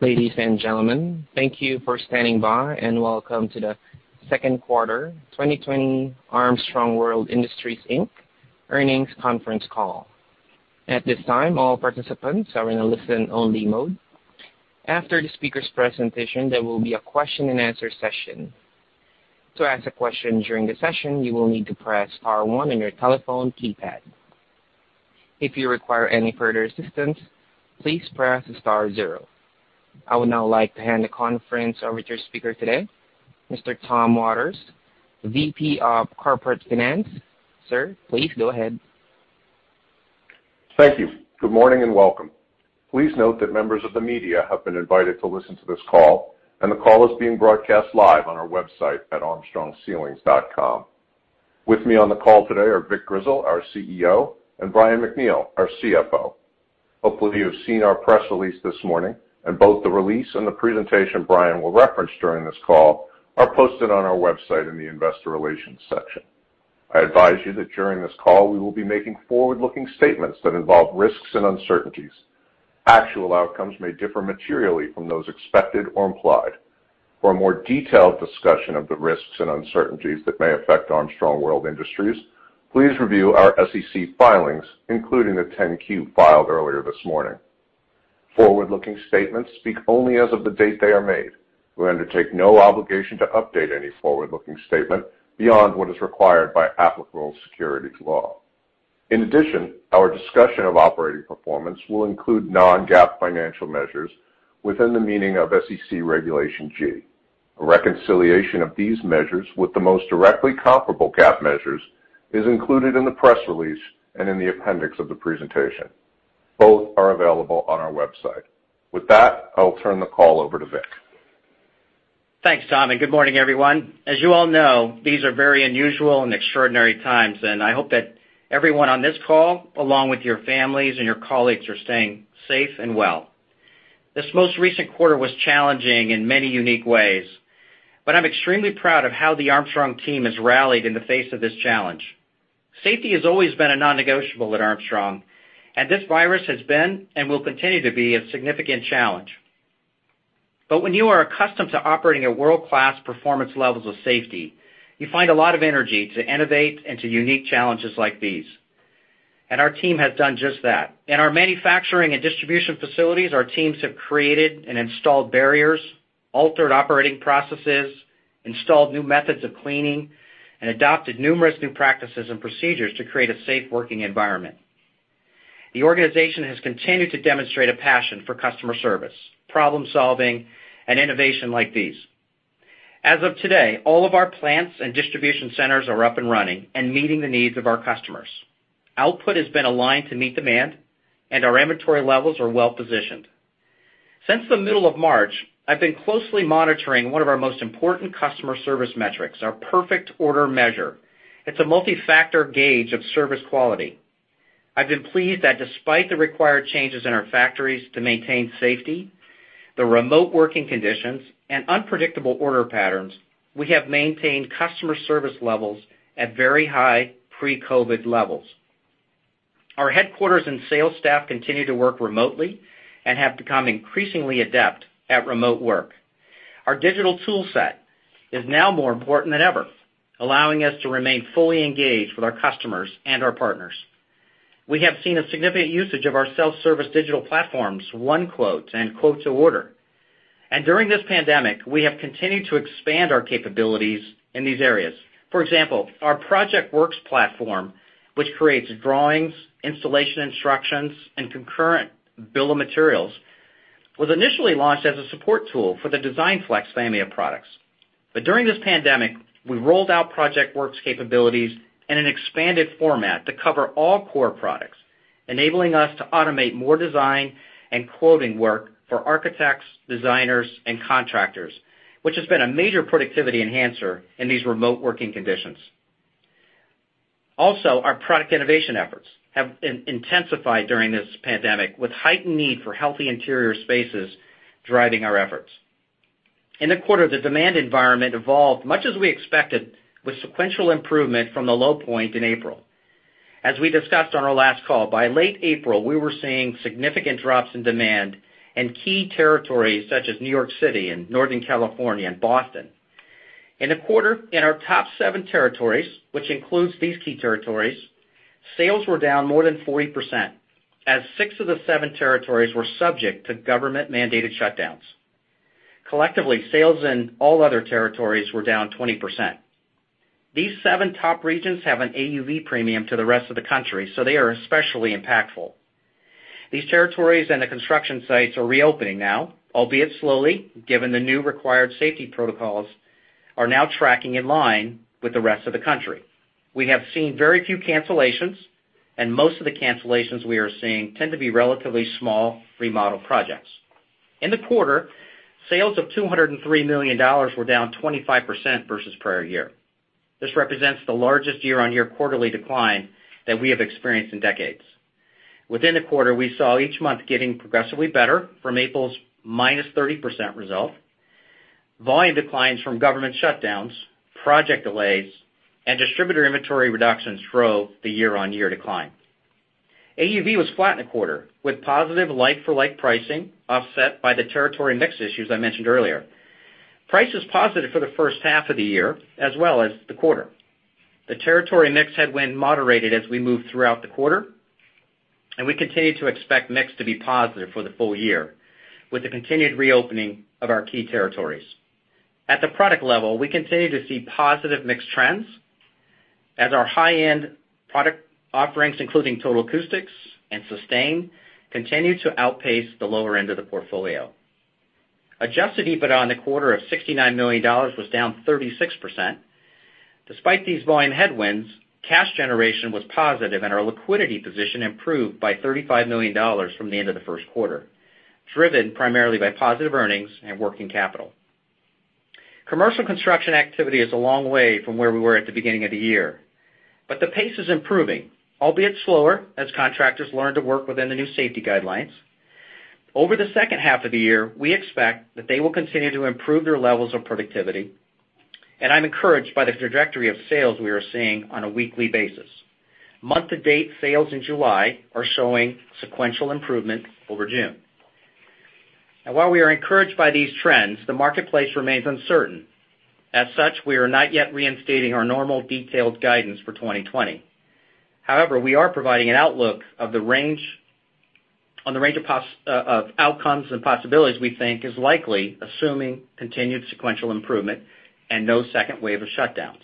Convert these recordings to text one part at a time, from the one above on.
Ladies and gentlemen, thank you for standing by, and welcome to the second quarter 2020 Armstrong World Industries, Inc. earnings conference call. At this time, all participants are in a listen-only mode. After the speaker's presentation, there will be a question and answer session. To ask a question during the session, you will need to press star one on your telephone keypad. If you require any further assistance, please press star zero. I would now like to hand the conference over to your speaker today, Mr. Tom Waters, VP of Corporate Finance. Sir, please go ahead. Thank you. Good morning and welcome. Please note that members of the media have been invited to listen to this call. The call is being broadcast live on our website at armstrongceilings.com. With me on the call today are Vic Grizzle, our CEO, and Brian MacNeal, our CFO. Hopefully, you've seen our press release this morning. Both the release and the presentation Brian will reference during this call are posted on our website in the investor relations section. I advise you that during this call we will be making forward-looking statements that involve risks and uncertainties. Actual outcomes may differ materially from those expected or implied. For a more detailed discussion of the risks and uncertainties that may affect Armstrong World Industries, please review our SEC filings, including the 10-Q filed earlier this morning. Forward-looking statements speak only as of the date they are made. We undertake no obligation to update any forward-looking statement beyond what is required by applicable securities law. In addition, our discussion of operating performance will include non-GAAP financial measures within the meaning of SEC Regulation G. A reconciliation of these measures with the most directly comparable GAAP measures is included in the press release and in the appendix of the presentation. Both are available on our website. With that, I will turn the call over to Vic. Thanks, Tom. Good morning, everyone. As you all know, these are very unusual and extraordinary times, and I hope that everyone on this call, along with your families and your colleagues, are staying safe and well. This most recent quarter was challenging in many unique ways, but I'm extremely proud of how the Armstrong team has rallied in the face of this challenge. Safety has always been a non-negotiable at Armstrong, and this virus has been and will continue to be a significant challenge. When you are accustomed to operating at world-class performance levels of safety, you find a lot of energy to innovate and to unique challenges like these. Our team has done just that. In our manufacturing and distribution facilities, our teams have created and installed barriers, altered operating processes, installed new methods of cleaning, and adopted numerous new practices and procedures to create a safe working environment. The organization has continued to demonstrate a passion for customer service, problem-solving, and innovation like these. As of today, all of our plants and distribution centers are up and running and meeting the needs of our customers. Output has been aligned to meet demand, and our inventory levels are well-positioned. Since the middle of March, I've been closely monitoring one of our most important customer service metrics, our perfect order measure. It's a multi-factor gauge of service quality. I've been pleased that despite the required changes in our factories to maintain safety, the remote working conditions, and unpredictable order patterns, we have maintained customer service levels at very high pre-COVID levels. Our headquarters and sales staff continue to work remotely and have become increasingly adept at remote work. Our digital tool set is now more important than ever, allowing us to remain fully engaged with our customers and our partners. We have seen a significant usage of our self-service digital platforms, OneQuote and Quote-to-Order. During this pandemic, we have continued to expand our capabilities in these areas. For example, our ProjectWorks platform, which creates drawings, installation instructions, and concurrent bill of materials, was initially launched as a support tool for the DESIGNFLEX family of products. During this pandemic, we rolled out ProjectWorks capabilities in an expanded format to cover all core products, enabling us to automate more design and quoting work for architects, designers, and contractors, which has been a major productivity enhancer in these remote working conditions. Our product innovation efforts have intensified during this pandemic, with heightened need for healthy interior spaces driving our efforts. In the quarter, the demand environment evolved much as we expected with sequential improvement from the low point in April. As we discussed on our last call, by late April, we were seeing significant drops in demand in key territories such as New York City and Northern California and Boston. In the quarter, in our top seven territories, which includes these key territories, sales were down more than 40%, as six of the seven territories were subject to government-mandated shutdowns. Collectively, sales in all other territories were down 20%. These seven top regions have an AUV premium to the rest of the country, so they are especially impactful. These territories and the construction sites are reopening now, albeit slowly, given the new required safety protocols, are now tracking in line with the rest of the country. We have seen very few cancellations, and most of the cancellations we are seeing tend to be relatively small remodel projects. In the quarter, sales of $203 million were down 25% versus prior year. This represents the largest year-on-year quarterly decline that we have experienced in decades. Within the quarter, we saw each month getting progressively better from April's -30% result. Volume declines from government shutdowns, project delays, and distributor inventory reductions drove the year-on-year decline. AUV was flat in the quarter, with positive like-for-like pricing offset by the territory mix issues I mentioned earlier. Price is positive for the first half of the year as well as the quarter. The territory mix headwind moderated as we moved throughout the quarter. We continue to expect mix to be positive for the full year with the continued reopening of our key territories. At the product level, we continue to see positive mix trends as our high-end product offerings, including Total Acoustics and Sustain, continue to outpace the lower end of the portfolio. Adjusted EBITDA in the quarter of $69 million was down 36%. Despite these volume headwinds, cash generation was positive. Our liquidity position improved by $35 million from the end of the first quarter, driven primarily by positive earnings and working capital. Commercial construction activity is a long way from where we were at the beginning of the year, but the pace is improving, albeit slower, as contractors learn to work within the new safety guidelines. Over the second half of the year, we expect that they will continue to improve their levels of productivity, and I'm encouraged by the trajectory of sales we are seeing on a weekly basis. Month-to-date sales in July are showing sequential improvement over June. While we are encouraged by these trends, the marketplace remains uncertain. As such, we are not yet reinstating our normal detailed guidance for 2020. However, we are providing an outlook on the range of outcomes and possibilities we think is likely, assuming continued sequential improvement and no second wave of shutdowns.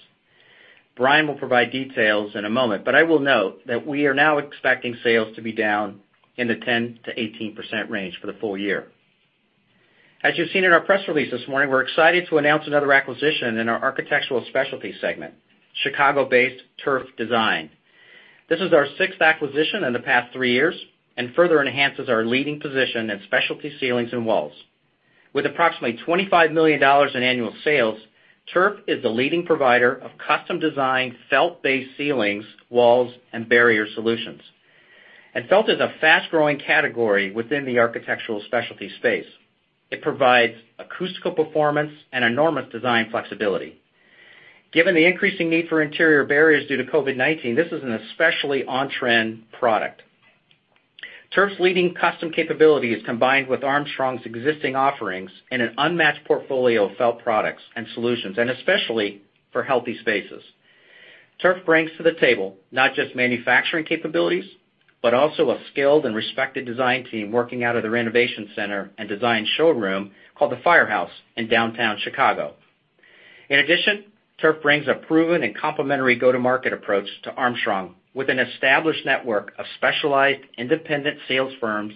Brian will provide details in a moment, but I will note that we are now expecting sales to be down in the 10%-18% range for the full year. As you've seen in our press release this morning, we're excited to announce another acquisition in our Architectural Specialties segment: Chicago-based Turf Design. This is our sixth acquisition in the past three years and further enhances our leading position in specialty ceilings and walls. With approximately $25 million in annual sales, Turf is the leading provider of custom-designed felt-based ceilings, walls, and barrier solutions. Felt is a fast-growing category within the Architectural Specialties space. It provides acoustical performance and enormous design flexibility. Given the increasing need for interior barriers due to COVID-19, this is an especially on-trend product. Turf's leading custom capabilities, combined with Armstrong's existing offerings in an unmatched portfolio of felt products and solutions, especially for healthy spaces. Turf brings to the table not just manufacturing capabilities, but also a skilled and respected design team working out of their renovation center and design showroom called The Firehouse in downtown Chicago. In addition, Turf brings a proven and complementary go-to-market approach to Armstrong with an established network of specialized independent sales firms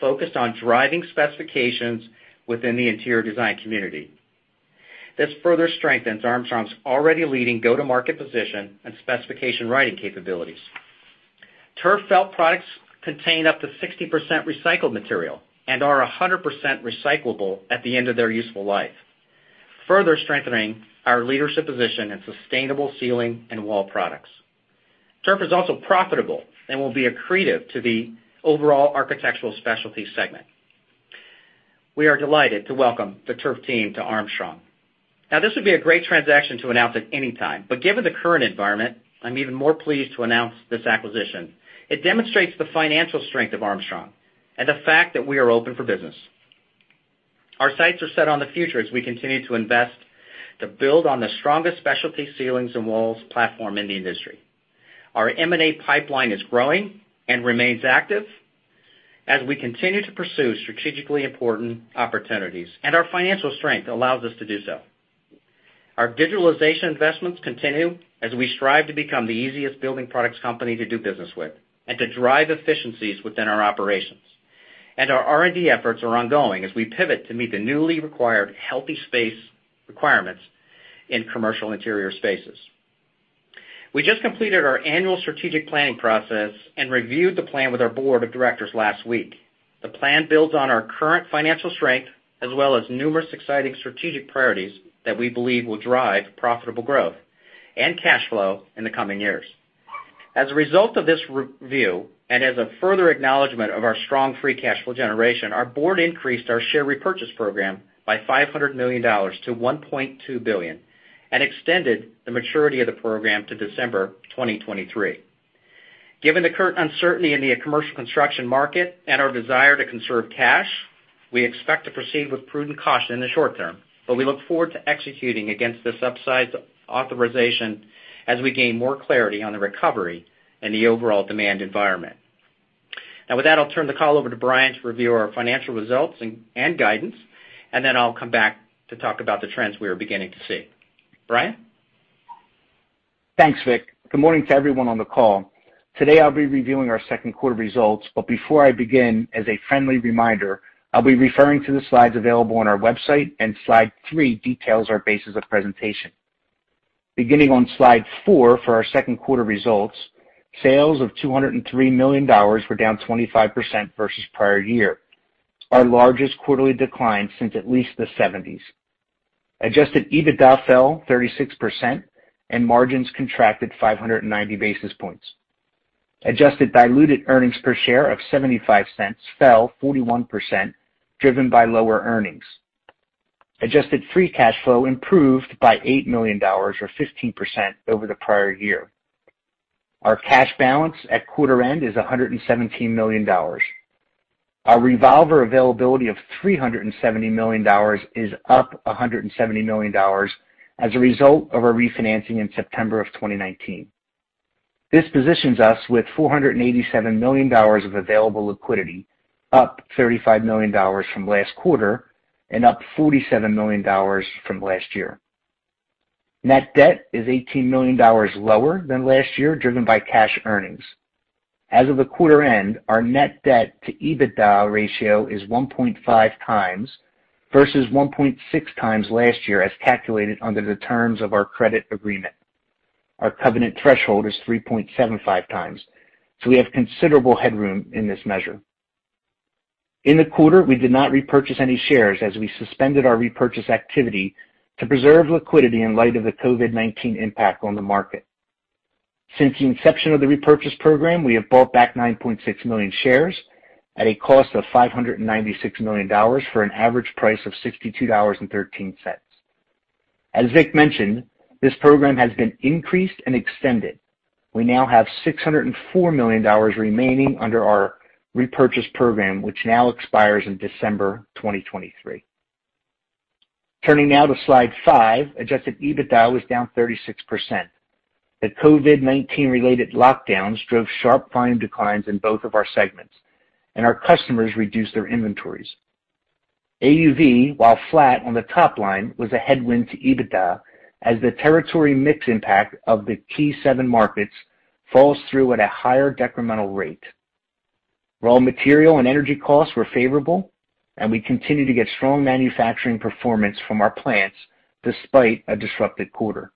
focused on driving specifications within the interior design community. This further strengthens Armstrong's already leading go-to-market position and specification writing capabilities. Turf felt products contain up to 60% recycled material and are 100% recyclable at the end of their useful life, further strengthening our leadership position in sustainable ceiling and wall products. Turf is also profitable and will be accretive to the overall Architectural Specialties segment. We are delighted to welcome the Turf team to Armstrong. Now, this would be a great transaction to announce at any time, but given the current environment, I'm even more pleased to announce this acquisition. It demonstrates the financial strength of Armstrong and the fact that we are open for business. Our sights are set on the future as we continue to invest to build on the strongest specialty ceilings and walls platform in the industry. Our M&A pipeline is growing and remains active as we continue to pursue strategically important opportunities, and our financial strength allows us to do so. Our digitalization investments continue as we strive to become the easiest building products company to do business with and to drive efficiencies within our operations. Our R&D efforts are ongoing as we pivot to meet the newly required healthy space requirements in commercial interior spaces. We just completed our annual strategic planning process and reviewed the plan with our board of directors last week. The plan builds on our current financial strength as well as numerous exciting strategic priorities that we believe will drive profitable growth and cash flow in the coming years. As a result of this review and as a further acknowledgment of our strong free cash flow generation, our board increased our share repurchase program by $500 million to $1.2 billion and extended the maturity of the program to December 2023. Given the current uncertainty in the commercial construction market and our desire to conserve cash, we expect to proceed with prudent caution in the short term, but we look forward to executing against this upsized authorization as we gain more clarity on the recovery and the overall demand environment. With that, I'll turn the call over to Brian to review our financial results and guidance, and then I'll come back to talk about the trends we are beginning to see. Brian? Thanks, Vic. Good morning to everyone on the call. Today, I'll be reviewing our second quarter results. Before I begin, as a friendly reminder, I'll be referring to the slides available on our website, and slide four details our basis of presentation. Beginning on slide four for our second quarter results, sales of $203 million were down 25% versus prior year, our largest quarterly decline since at least the 1970s. Adjusted EBITDA fell 36%. Margins contracted 590 basis points. Adjusted diluted earnings per share of $0.75 fell 41%, driven by lower earnings. Adjusted free cash flow improved by $8 million, or 15%, over the prior year. Our cash balance at quarter end is $117 million. Our revolver availability of $370 million is up $170 million as a result of our refinancing in September of 2019. This positions us with $487 million of available liquidity, up $35 million from last quarter and up $47 million from last year. Net debt is $18 million lower than last year, driven by cash earnings. As of the quarter end, our net debt to EBITDA ratio is 1.5x versus 1.6x last year as calculated under the terms of our credit agreement. Our covenant threshold is 3.75x. We have considerable headroom in this measure. In the quarter, we did not repurchase any shares as we suspended our repurchase activity to preserve liquidity in light of the COVID-19 impact on the market. Since the inception of the repurchase program, we have bought back 9.6 million shares at a cost of $596 million for an average price of $62.13. As Vic mentioned, this program has been increased and extended. We now have $604 million remaining under our repurchase program, which now expires in December 2023. Turning now to slide five, adjusted EBITDA was down 36%. The COVID-19 related lockdowns drove sharp volume declines in both of our segments, and our customers reduced their inventories. AUV, while flat on the top line, was a headwind to EBITDA as the territory mix impact of the T7 markets falls through at a higher decremental rate. Raw material and energy costs were favorable, and we continue to get strong manufacturing performance from our plants despite a disrupted quarter.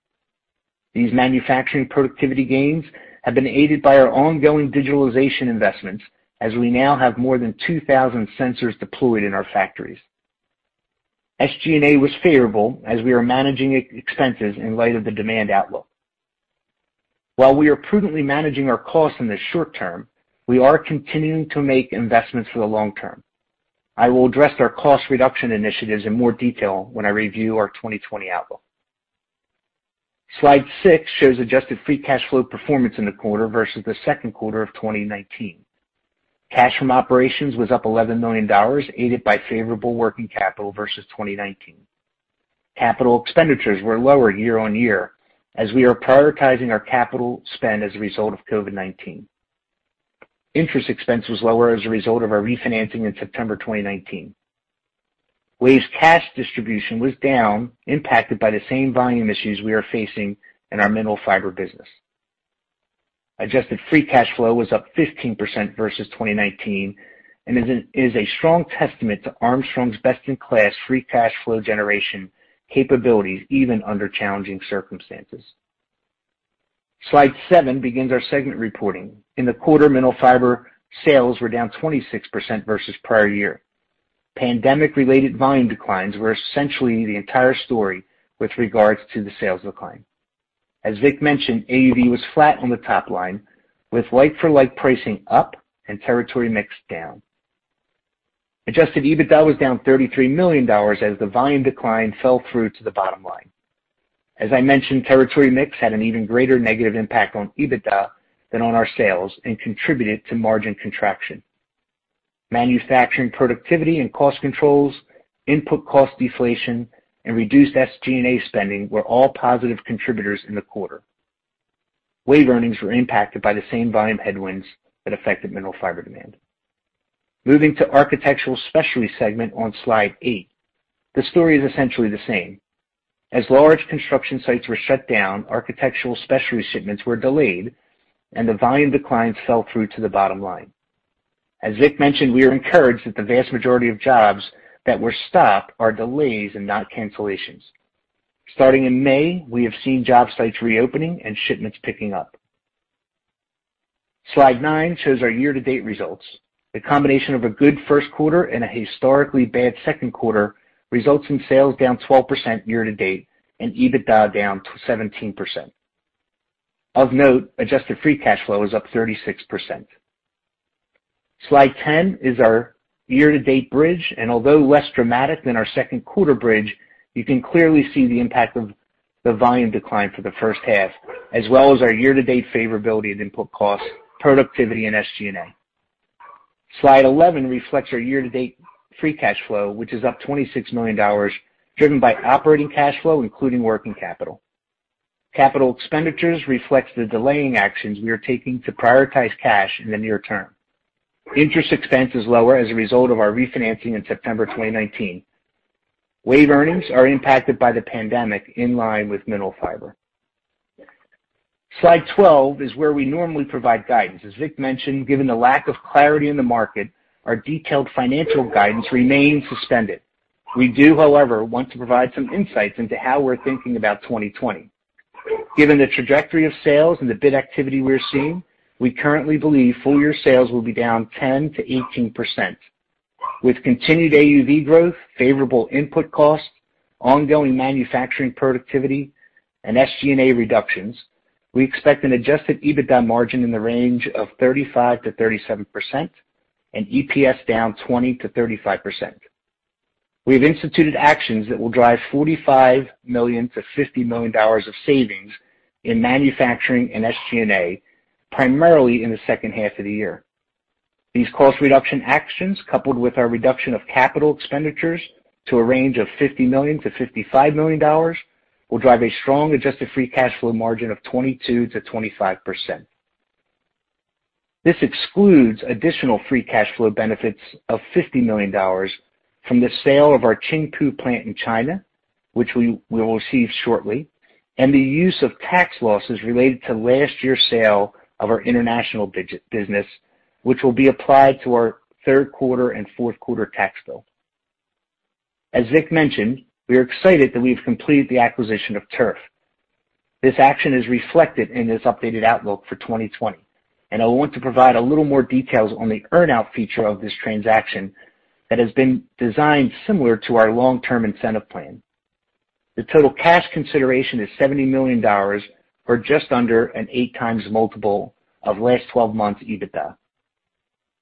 These manufacturing productivity gains have been aided by our ongoing digitalization investments as we now have more than 2,000 sensors deployed in our factories. SG&A was favorable as we are managing expenses in light of the demand outlook. While we are prudently managing our costs in the short term, we are continuing to make investments for the long term. I will address our cost reduction initiatives in more detail when I review our 2020 outlook. Slide six shows adjusted free cash flow performance in the quarter versus the second quarter of 2019. Cash from operations was up $11 million, aided by favorable working capital versus 2019. Capital expenditures were lower year-on-year as we are prioritizing our capital spend as a result of COVID-19. Interest expense was lower as a result of our refinancing in September 2019. WAVE's cash distribution was down, impacted by the same volume issues we are facing in our Mineral Fiber business. Adjusted free cash flow was up 15% versus 2019 and it is a strong testament to Armstrong's best-in-class free cash flow generation capabilities even under challenging circumstances. Slide seven begins our segment reporting. In the quarter, Mineral Fiber sales were down 26% versus prior year. Pandemic-related volume declines were essentially the entire story with regards to the sales decline. As Vic mentioned, AUV was flat on the top line, with like-for-like pricing up and territory mix down. Adjusted EBITDA was down $33 million as the volume decline fell through to the bottom line. As I mentioned, territory mix had an even greater negative impact on EBITDA than on our sales and contributed to margin contraction. Manufacturing productivity and cost controls, input cost deflation, and reduced SG&A spending were all positive contributors in the quarter. WAVE earnings were impacted by the same volume headwinds that affected Mineral Fiber demand. Moving to Architectural Specialties segment on Slide eight, the story is essentially the same. As large construction sites were shut down, Architectural Specialties shipments were delayed, and the volume declines fell through to the bottom line. As Vic mentioned, we are encouraged that the vast majority of jobs that were stopped are delays and not cancellations. Starting in May, we have seen job sites reopening and shipments picking up. Slide nine shows our year-to-date results. The combination of a good first quarter and a historically bad second quarter results in sales down 12% year-to-date and EBITDA down 17%. Of note, adjusted free cash flow is up 36%. Slide 10 is our year-to-date bridge, and although less dramatic than our second quarter bridge, you can clearly see the impact of the volume decline for the first half, as well as our year-to-date favorability in input costs, productivity, and SG&A. Slide 11 reflects our year-to-date free cash flow, which is up $26 million, driven by operating cash flow, including working capital. Capital expenditures reflects the delaying actions we are taking to prioritize cash in the near term. Interest expense is lower as a result of our refinancing in September 2019. WAVE earnings are impacted by the pandemic in line with Mineral Fiber. Slide 12 is where we normally provide guidance. As Vic mentioned, given the lack of clarity in the market, our detailed financial guidance remains suspended. We do, however, want to provide some insights into how we're thinking about 2020. Given the trajectory of sales and the bid activity we are seeing, we currently believe full-year sales will be down 10%-18%. With continued AUV growth, favorable input costs, ongoing manufacturing productivity, and SG&A reductions, we expect an adjusted EBITDA margin in the range of 35%-37% and EPS down 20%-35%. We have instituted actions that will drive $45 million to $50 million of savings in manufacturing and SG&A, primarily in the second half of the year. These cost reduction actions, coupled with our reduction of capital expenditures to a range of $50 million to $55 million, will drive a strong adjusted free cash flow margin of 22%-25%. This excludes additional free cash flow benefits of $50 million from the sale of our Qingpu plant in China, which we will receive shortly, and the use of tax losses related to last year's sale of our international business, which will be applied to our third quarter and fourth quarter tax bill. As Vic mentioned, we are excited that we've completed the acquisition of Turf. I want to provide a little more details on the earn-out feature of this transaction that has been designed similar to our long-term incentive plan. The total cash consideration is $70 million, or just under 8x multiple of last 12 months EBITDA.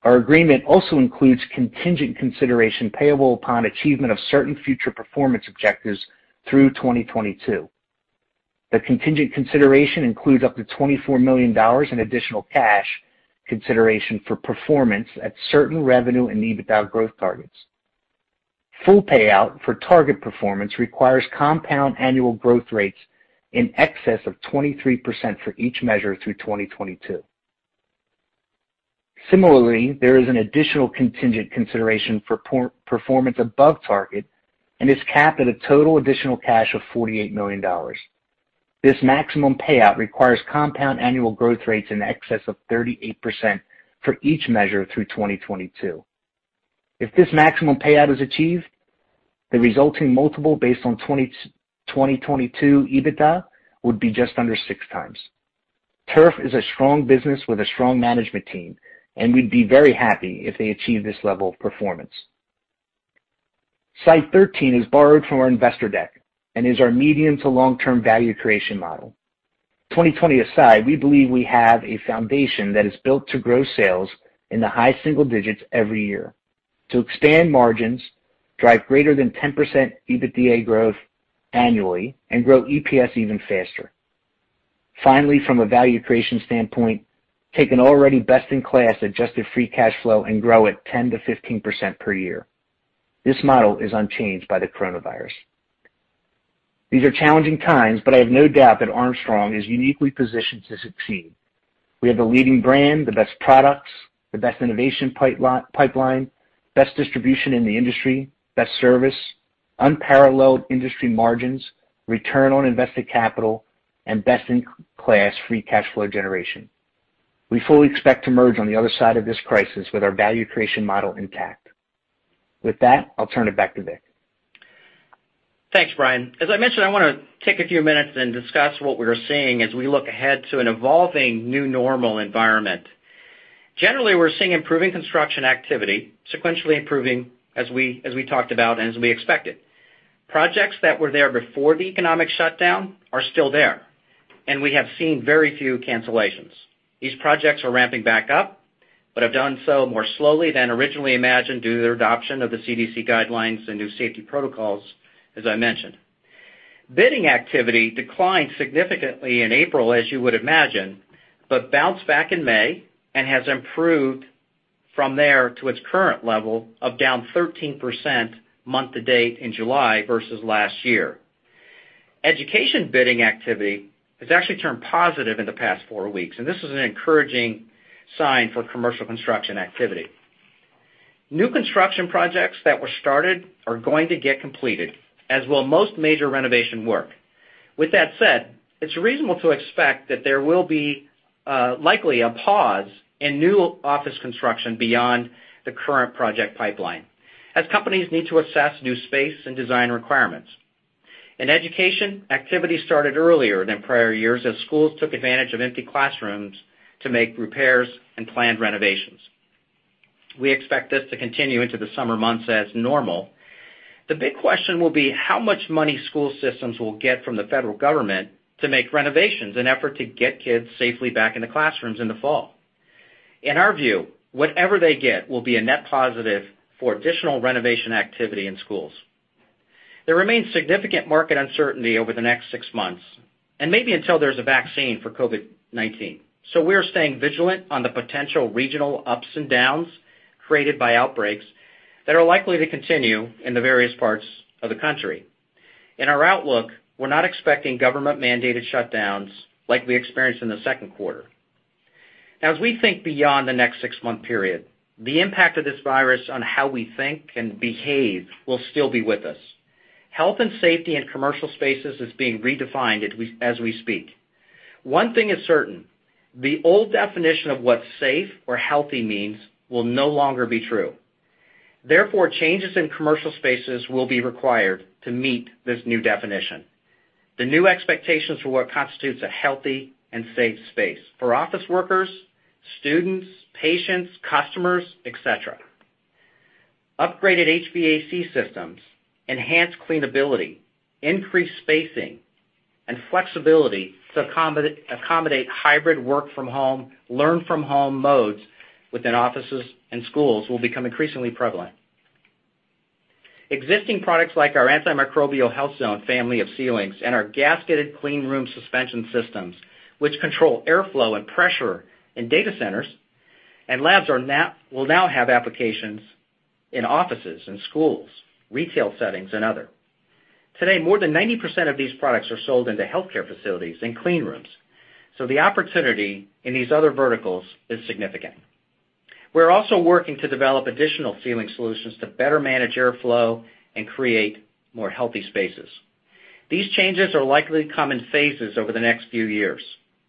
Our agreement also includes contingent consideration payable upon achievement of certain future performance objectives through 2022. The contingent consideration includes up to $24 million in additional cash consideration for performance at certain revenue and EBITDA growth targets. Full payout for target performance requires compound annual growth rates in excess of 23% for each measure through 2022. Similarly, there is an additional contingent consideration for performance above target and is capped at a total additional cash of $48 million. This maximum payout requires compound annual growth rates in excess of 38% for each measure through 2022. If this maximum payout is achieved, the resulting multiple based on 2022 EBITDA would be just under 6x+. Turf is a strong business with a strong management team, and we'd be very happy if they achieve this level of performance. Slide 13 is borrowed from our investor deck and is our medium to long-term value creation model. 2020 aside, we believe we have a foundation that is built to grow sales in the high single digits every year, to expand margins, drive greater than 10% EBITDA growth annually, and grow EPS even faster. Finally, from a value creation standpoint, take an already best-in-class adjusted free cash flow and grow it 10%-15% per year. This model is unchanged by the coronavirus. These are challenging times, but I have no doubt that Armstrong is uniquely positioned to succeed. We have the leading brand, the best products, the best innovation pipeline, best distribution in the industry, best service, unparalleled industry margins, return on invested capital, and best-in-class free cash flow generation. We fully expect to emerge on the other side of this crisis with our value creation model intact. With that, I'll turn it back to Vic. Thanks, Brian. As I mentioned, I want to take a few minutes and discuss what we are seeing as we look ahead to an evolving new normal environment. Generally, we're seeing improving construction activity, sequentially improving as we talked about and as we expected. Projects that were there before the economic shutdown are still there, and we have seen very few cancellations. These projects are ramping back up, but have done so more slowly than originally imagined due to the adoption of the CDC guidelines and new safety protocols, as I mentioned. Bidding activity declined significantly in April, as you would imagine, but bounced back in May and has improved from there to its current level of down 13% month to date in July versus last year. Education bidding activity has actually turned positive in the past four weeks, and this is an encouraging sign for commercial construction activity. New construction projects that were started are going to get completed, as will most major renovation work. With that said, it's reasonable to expect that there will be likely a pause in new office construction beyond the current project pipeline, as companies need to assess new space and design requirements. In education, activity started earlier than prior years as schools took advantage of empty classrooms to make repairs and planned renovations. We expect this to continue into the summer months as normal. The big question will be how much money school systems will get from the federal government to make renovations in effort to get kids safely back in the classrooms in the fall. In our view, whatever they get will be a net positive for additional renovation activity in schools. There remains significant market uncertainty over the next six months, and maybe until there's a vaccine for COVID-19. We are staying vigilant on the potential regional ups and downs created by outbreaks that are likely to continue in the various parts of the country. In our outlook, we are not expecting government-mandated shutdowns like we experienced in the second quarter. As we think beyond the next six-month period, the impact of this virus on how we think and behave will still be with us. Health and safety in commercial spaces is being redefined as we speak. One thing is certain: The old definition of what safe or healthy means will no longer be true. Changes in commercial spaces will be required to meet this new definition, the new expectations for what constitutes a healthy and safe space for office workers, students, patients, customers, et cetera. Upgraded HVAC systems, enhanced cleanability, increased spacing and flexibility to accommodate hybrid work from home, learn from home modes within offices and schools will become increasingly prevalent. Existing products like our antimicrobial HealthZone family of ceilings and our gasketed clean room suspension systems, which control airflow and pressure in data centers and labs, will now have applications in offices and schools, retail settings, and others. Today, more than 90% of these products are sold into healthcare facilities and clean rooms, so the opportunity in these other verticals is significant. We're also working to develop additional ceiling solutions to better manage airflow and create more healthy spaces. These changes are likely to come in phases over the next few years.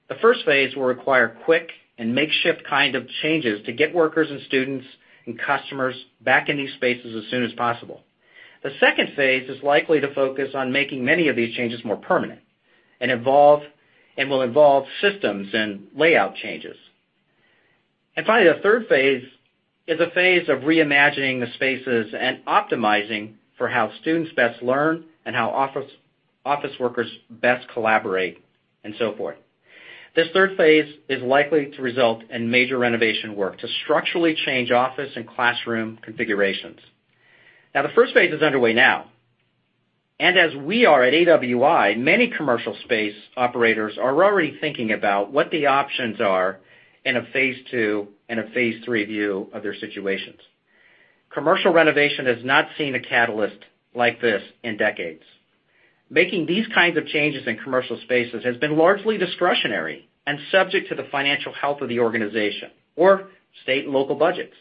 The first phase will require quick and makeshift kind of changes to get workers and students and customers back in these spaces as soon as possible. The second phase is likely to focus on making many of these changes more permanent and will involve systems and layout changes. Finally, the third phase is a phase of reimagining the spaces and optimizing for how students best learn and how office workers best collaborate and so forth. This third phase is likely to result in major renovation work to structurally change office and classroom configurations. Now, the first phase is underway now. As we are at AWI, many commercial space operators are already thinking about what the options are in a phase two and a phase three view of their situations. Commercial renovation has not seen a catalyst like this in decades. Making these kinds of changes in commercial spaces has been largely discretionary and subject to the financial health of the organization or state and local budgets.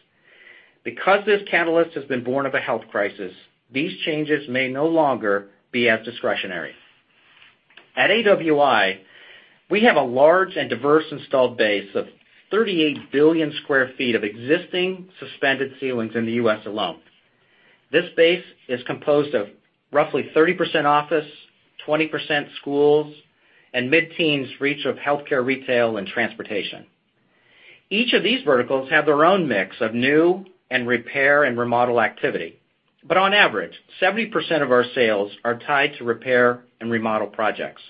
Because this catalyst has been born of a health crisis, these changes may no longer be as discretionary. At AWI, we have a large and diverse installed base of 38 billion sq ft of existing suspended ceilings in the U.S. alone. This base is composed of roughly 30% office, 20% schools, and mid-teens for each of healthcare, retail, and transportation. Each of these verticals have their own mix of new and repair and remodel activity. On average, 70% of our sales are tied to repair and remodel projects.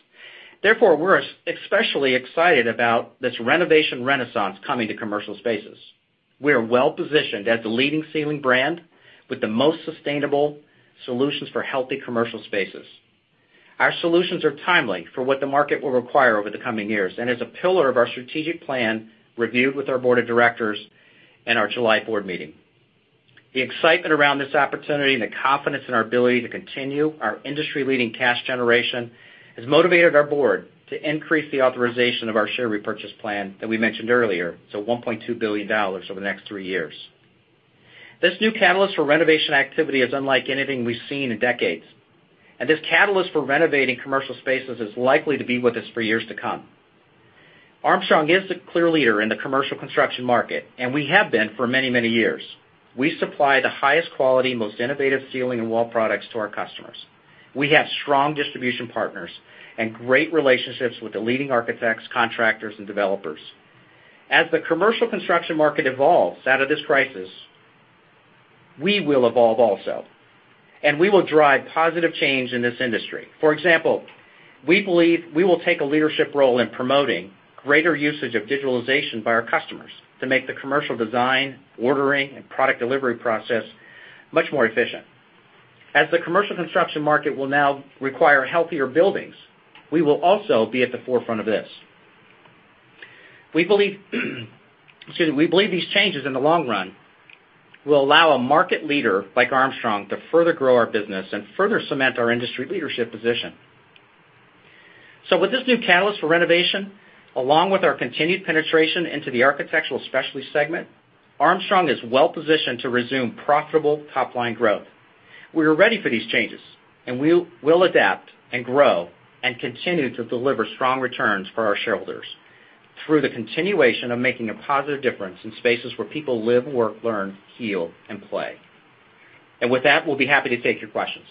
Therefore, we're especially excited about this renovation renaissance coming to commercial spaces. We are well-positioned as the leading ceiling brand with the most sustainable solutions for healthy commercial spaces. Our solutions are timely for what the market will require over the coming years, and is a pillar of our strategic plan reviewed with our board of directors in our July board meeting. The excitement around this opportunity and the confidence in our ability to continue our industry-leading cash generation has motivated our board to increase the authorization of our share repurchase plan that we mentioned earlier to $1.2 billion over the next three years. This new catalyst for renovation activity is unlike anything we've seen in decades, and this catalyst for renovating commercial spaces is likely to be with us for years to come. Armstrong is the clear leader in the commercial construction market, and we have been for many years. We supply the highest quality, most innovative ceiling and wall products to our customers. We have strong distribution partners and great relationships with the leading architects, contractors, and developers. As the commercial construction market evolves out of this crisis, we will evolve also, and we will drive positive change in this industry. For example, we believe we will take a leadership role in promoting greater usage of digitalization by our customers to make the commercial design, ordering, and product delivery process much more efficient. As the commercial construction market will now require healthier buildings, we will also be at the forefront of this. We believe these changes, in the long run, will allow a market leader like Armstrong to further grow our business and further cement our industry leadership position. With this new catalyst for renovation, along with our continued penetration into the Architectural Specialties segment, Armstrong is well positioned to resume profitable top-line growth. We are ready for these changes and we'll adapt and grow and continue to deliver strong returns for our shareholders through the continuation of making a positive difference in spaces where people live, work, learn, heal, and play. With that, we'll be happy to take your questions.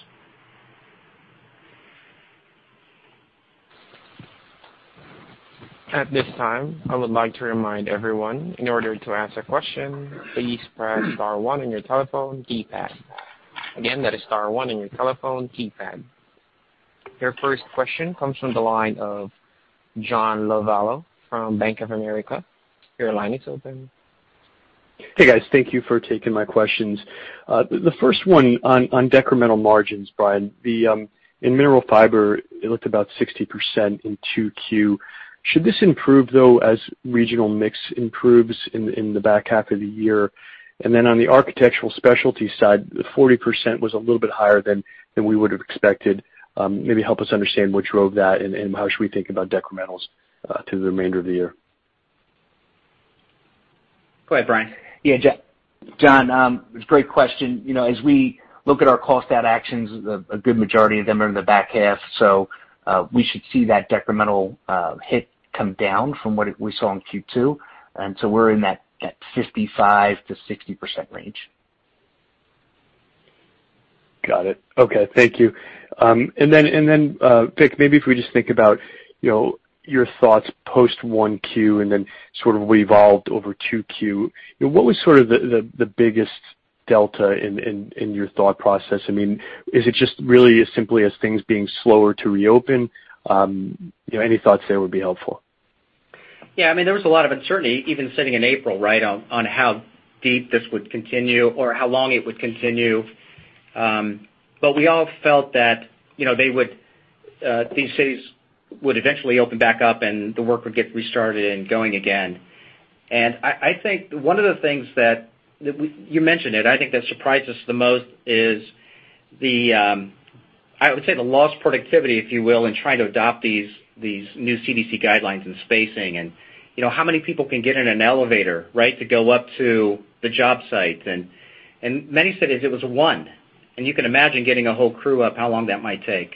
At this time, I would like to remind everyone, in order to ask a question, please press star one on your telephone keypad. Again, that is star one on your telephone keypad. Your first question comes from the line of John Lovallo from Bank of America. Your line is open. Hey, guys. Thank you for taking my questions. The first one on decremental margins, Brian. In Mineral Fiber, it looked about 60% in Q2. Should this improve, though, as regional mix improves in the back half of the year? On the Architectural Specialties side, the 40% was a little bit higher than we would have expected. Maybe help us understand what drove that and how should we think about decrementals through the remainder of the year. Go ahead, Brian. Yeah. John, it's a great question. As we look at our cost-out actions, a good majority of them are in the back half, so we should see that decremental hit come down from what we saw in Q2. We're in that 55%-60% range. Got it. Okay. Thank you. Vic, maybe if we just think about your thoughts post Q1 and then sort of what evolved over Q2. What was sort of the biggest delta in your thought process? Is it just really as simply as things being slower to reopen? Any thoughts there would be helpful. Yeah, there was a lot of uncertainty even sitting in April, right, on how deep this would continue or how long it would continue. We all felt that these cities would eventually open back up, and the work would get restarted and going again. I think one of the things that, you mentioned it, I think that surprised us the most is, I would say the lost productivity, if you will, in trying to adopt these new CDC guidelines and spacing and how many people can get in an elevator, right, to go up to the job sites. In many cities, it was one. You can imagine getting a whole crew up, how long that might take.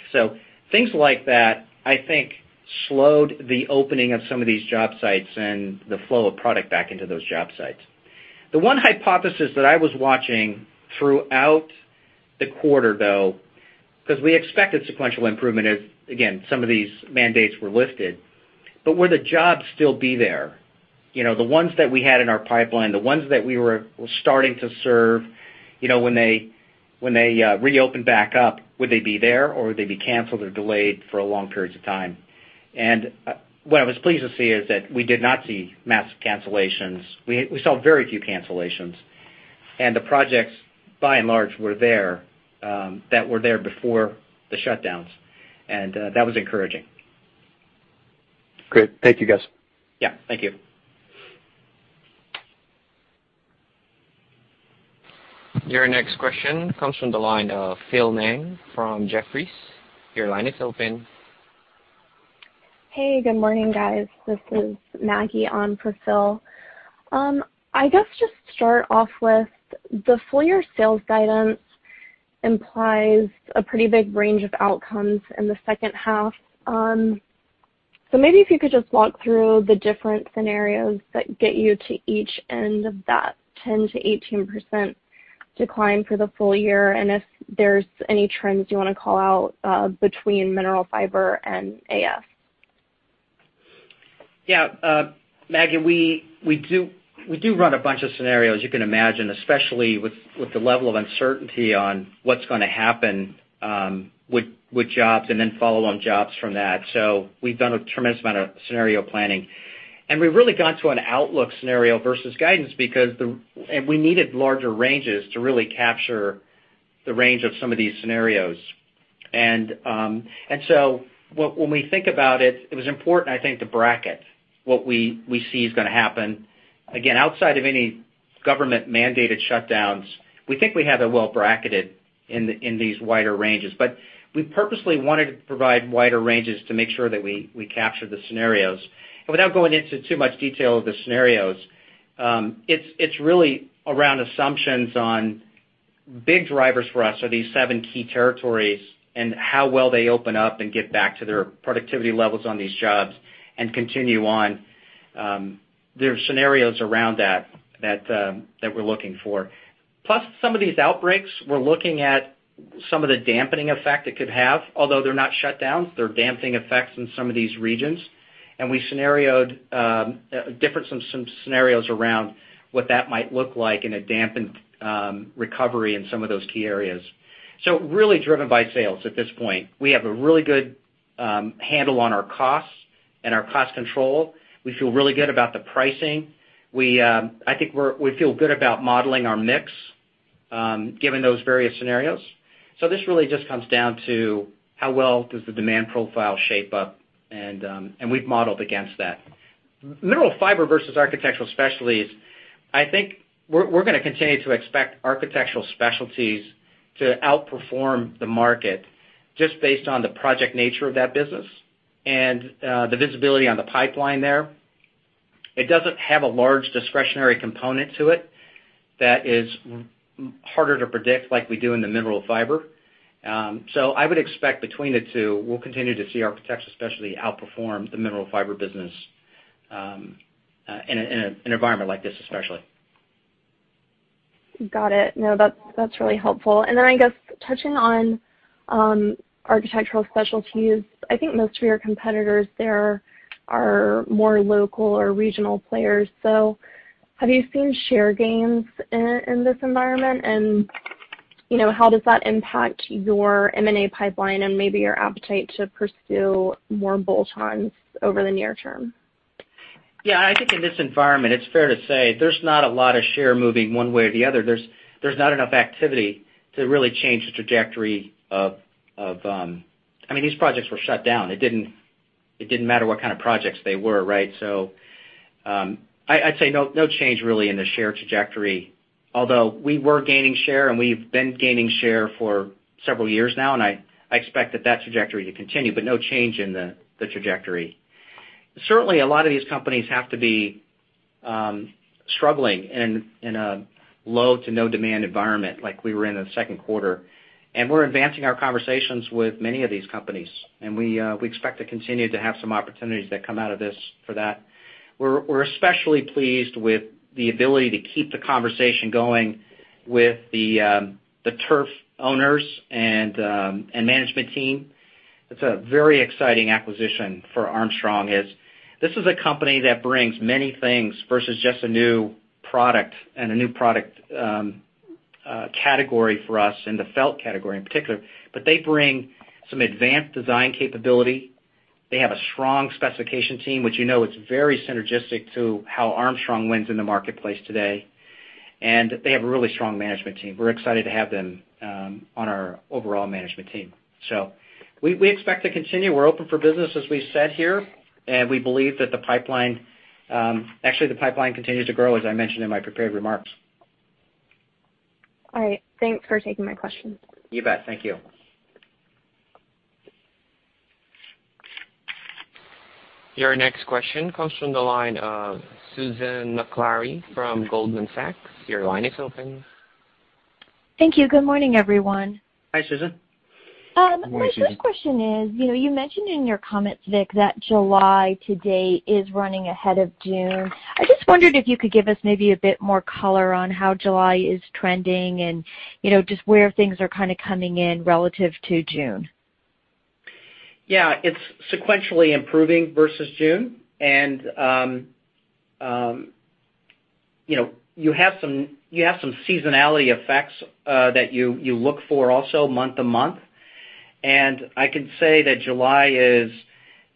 Things like that, I think, slowed the opening of some of these job sites and the flow of product back into those job sites. The one hypothesis that I was watching throughout the quarter, though, because we expected sequential improvement as, again, some of these mandates were lifted. Would the jobs still be there? The ones that we had in our pipeline, the ones that we were starting to serve, when they reopened back up, would they be there, or would they be canceled or delayed for long periods of time? What I was pleased to see is that we did not see mass cancellations. We saw very few cancellations. The projects, by and large, were there, that were there before the shutdowns. That was encouraging. Great. Thank you, guys. Yeah. Thank you. Your next question comes from the line of Philip Ng from Jefferies. Your line is open. Hey, good morning, guys. This is Maggie on for Philip. I guess just start off with the full year sales guidance implies a pretty big range of outcomes in the second half. Maybe if you could just walk through the different scenarios that get you to each end of that 10%-18% decline for the full year, and if there's any trends you want to call out between Mineral Fiber and AS. Maggie, we do run a bunch of scenarios you can imagine, especially with the level of uncertainty on what's going to happen with jobs and then follow on jobs from that. We've done a tremendous amount of scenario planning. We've really got to an outlook scenario versus guidance because we needed larger ranges to really capture the range of some of these scenarios. When we think about it was important, I think, to bracket what we see is going to happen. Again, outside of any government-mandated shutdowns, we think we have it well bracketed in these wider ranges. We purposely wanted to provide wider ranges to make sure that we capture the scenarios. Without going into too much detail of the scenarios, it's really around assumptions on big drivers for us are these seven key territories and how well they open up and get back to their productivity levels on these jobs and continue on. There are scenarios around that that we're looking for. Plus some of these outbreaks, we're looking at some of the dampening effect it could have, although they're not shutdowns, they're damping effects in some of these regions. We scenarioed different scenarios around what that might look like in a dampened recovery in some of those key areas. Really driven by sales at this point. We have a really good handle on our costs and our cost control. We feel really good about the pricing. I think we feel good about modeling our mix given those various scenarios. This really just comes down to how well does the demand profile shape up, and we've modeled against that. Mineral Fiber versus Architectural Specialties, I think we're going to continue to expect Architectural Specialties to outperform the market just based on the project nature of that business and the visibility on the pipeline there. It doesn't have a large discretionary component to it that is harder to predict like we do in the Mineral Fiber. I would expect between the two, we'll continue to see Architectural Specialties outperform the Mineral Fiber business in an environment like this, especially. Got it. No, that's really helpful. I guess touching on Architectural Specialties, I think most of your competitors there are more local or regional players. Have you seen share gains in this environment? How does that impact your M&A pipeline and maybe your appetite to pursue more bolt-ons over the near term? Yeah, I think in this environment, it's fair to say there's not a lot of share moving one way or the other. There's not enough activity to really change the trajectory. These projects were shut down. It didn't matter what kind of projects they were, right? I'd say no change really in the share trajectory, although we were gaining share, and we've been gaining share for several years now, and I expect that trajectory to continue, but no change in the trajectory. Certainly, a lot of these companies have to be struggling in a low to no demand environment like we were in the second quarter, and we're advancing our conversations with many of these companies. We expect to continue to have some opportunities that come out of this for that. We're especially pleased with the ability to keep the Turf owners and management team. It's a very exciting acquisition for Armstrong, this is a company that brings many things versus just a new product and a new product category for us in the felt category in particular. They bring some advanced design capability. They have a strong specification team, which you know is very synergistic to how Armstrong wins in the marketplace today. They have a really strong management team. We're excited to have them on our overall management team. We expect to continue. We're open for business, as we've said here, and actually, the pipeline continues to grow, as I mentioned in my prepared remarks. All right. Thanks for taking my question. You bet. Thank you. Your next question comes from the line of Susan Maklari from Goldman Sachs. Your line is open. Thank you. Good morning, everyone. Hi, Susan. Good morning, Susan. My first question is, you mentioned in your comments, Vic, that July to date is running ahead of June. I just wondered if you could give us maybe a bit more color on how July is trending and just where things are kind of coming in relative to June. Yeah. It's sequentially improving versus June. You have some seasonality effects, that you look for also month to month. I can say that July is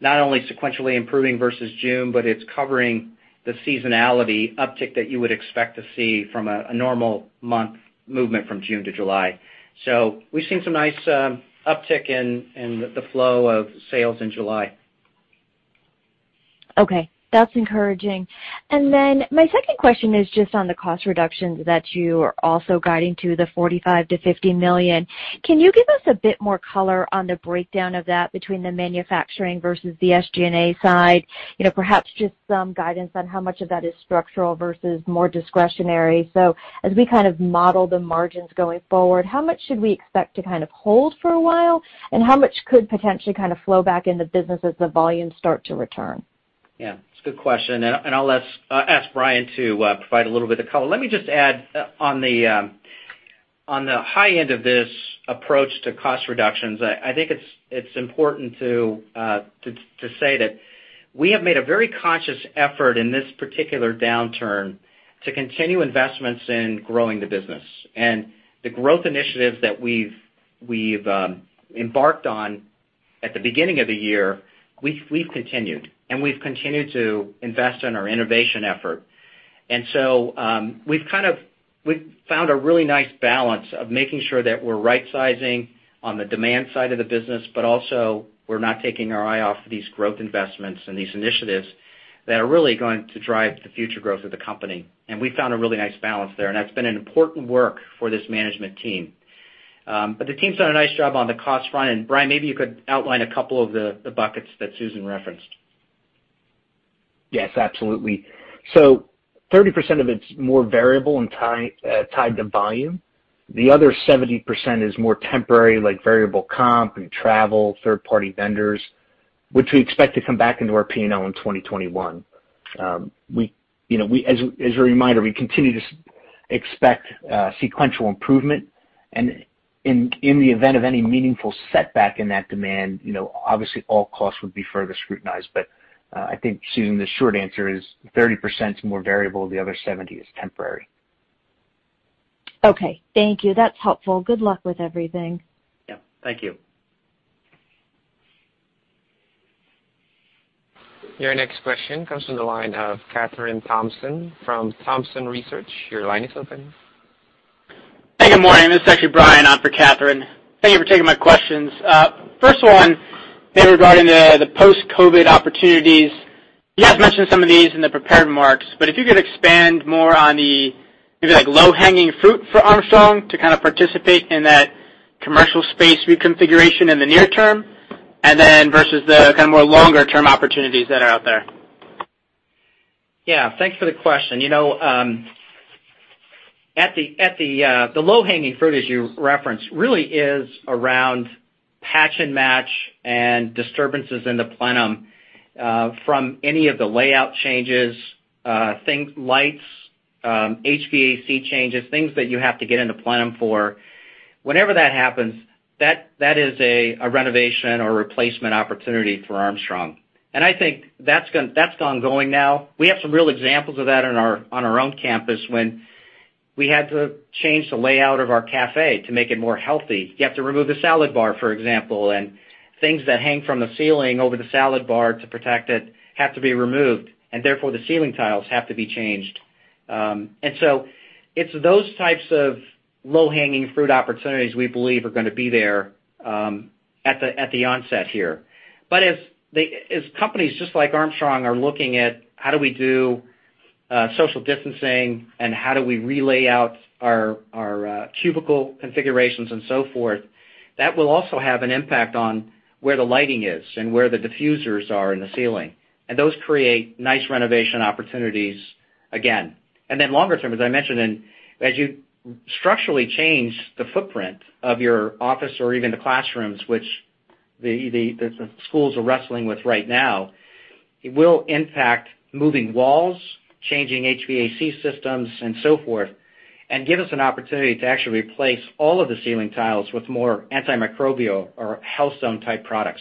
not only sequentially improving versus June, but it's covering the seasonality uptick that you would expect to see from a normal month movement from June to July. We've seen some nice uptick in the flow of sales in July. Okay. That's encouraging. My second question is just on the cost reductions that you are also guiding to the $45-50 million. Can you give us a bit more color on the breakdown of that between the manufacturing versus the SG&A side? Perhaps just some guidance on how much of that is structural versus more discretionary. As we kind of model the margins going forward, how much should we expect to kind of hold for a while, and how much could potentially kind of flow back into business as the volumes start to return? Yeah, it's a good question, and I'll ask Brian to provide a little bit of color. Let me just add on the high end of this approach to cost reductions, I think it's important to say that we have made a very conscious effort in this particular downturn to continue investments in growing the business and the growth initiatives that we've embarked on at the beginning of the year, we've continued, and we've continued to invest in our innovation effort. So, we've found a really nice balance of making sure that we're right-sizing on the demand side of the business, but also we're not taking our eye off these growth investments and these initiatives that are really going to drive the future growth of the company. We've found a really nice balance there, and that's been an important work for this management team. The team's done a nice job on the cost front. Brian, maybe you could outline a couple of the buckets that Susan referenced. Yes, absolutely. 30% of it's more variable and tied to volume. The other 70% is more temporary, like variable comp and travel, third-party vendors, which we expect to come back into our P&L in 2021. As a reminder, we continue to expect sequential improvement and in the event of any meaningful setback in that demand, obviously all costs would be further scrutinized. I think, Susan, the short answer is 30% is more variable, the other 70% is temporary. Okay. Thank you. That's helpful. Good luck with everything. Yeah. Thank you. Your next question comes from the line of Kathryn Thompson from Thompson Research. Your line is open. Hey, good morning. This is actually Brian on for Kathryn. Thank you for taking my questions. First one, maybe regarding the post-COVID opportunities. You guys mentioned some of these in the prepared remarks. If you could expand more on the maybe like low-hanging fruit for Armstrong to kind of participate in that commercial space reconfiguration in the near term and then versus the kind of more longer-term opportunities that are out there. Yeah. Thanks for the question. The low-hanging fruit as you referenced, really is around patch and match and disturbances in the plenum, from any of the layout changes, lights, HVAC changes, things that you have to get into plenum for. Whenever that happens, that is a renovation or replacement opportunity for Armstrong, and I think that's ongoing now. We have some real examples of that on our own campus when we had to change the layout of our cafe to make it more healthy. You have to remove the salad bar, for example, and things that hang from the ceiling over the salad bar to protect it have to be removed, and therefore, the ceiling tiles have to be changed. It's those types of low-hanging fruit opportunities we believe are going to be there at the onset here. As companies just like Armstrong are looking at how do we do social distancing and how do we re-layout our cubicle configurations and so forth, that will also have an impact on where the lighting is and where the diffusers are in the ceiling. Those create nice renovation opportunities again. Longer term, as I mentioned, as you structurally change the footprint of your office or even the classrooms, which the schools are wrestling with right now. It will impact moving walls, changing HVAC systems and so forth, and give us an opportunity to actually replace all of the ceiling tiles with more antimicrobial or HealthZone type products.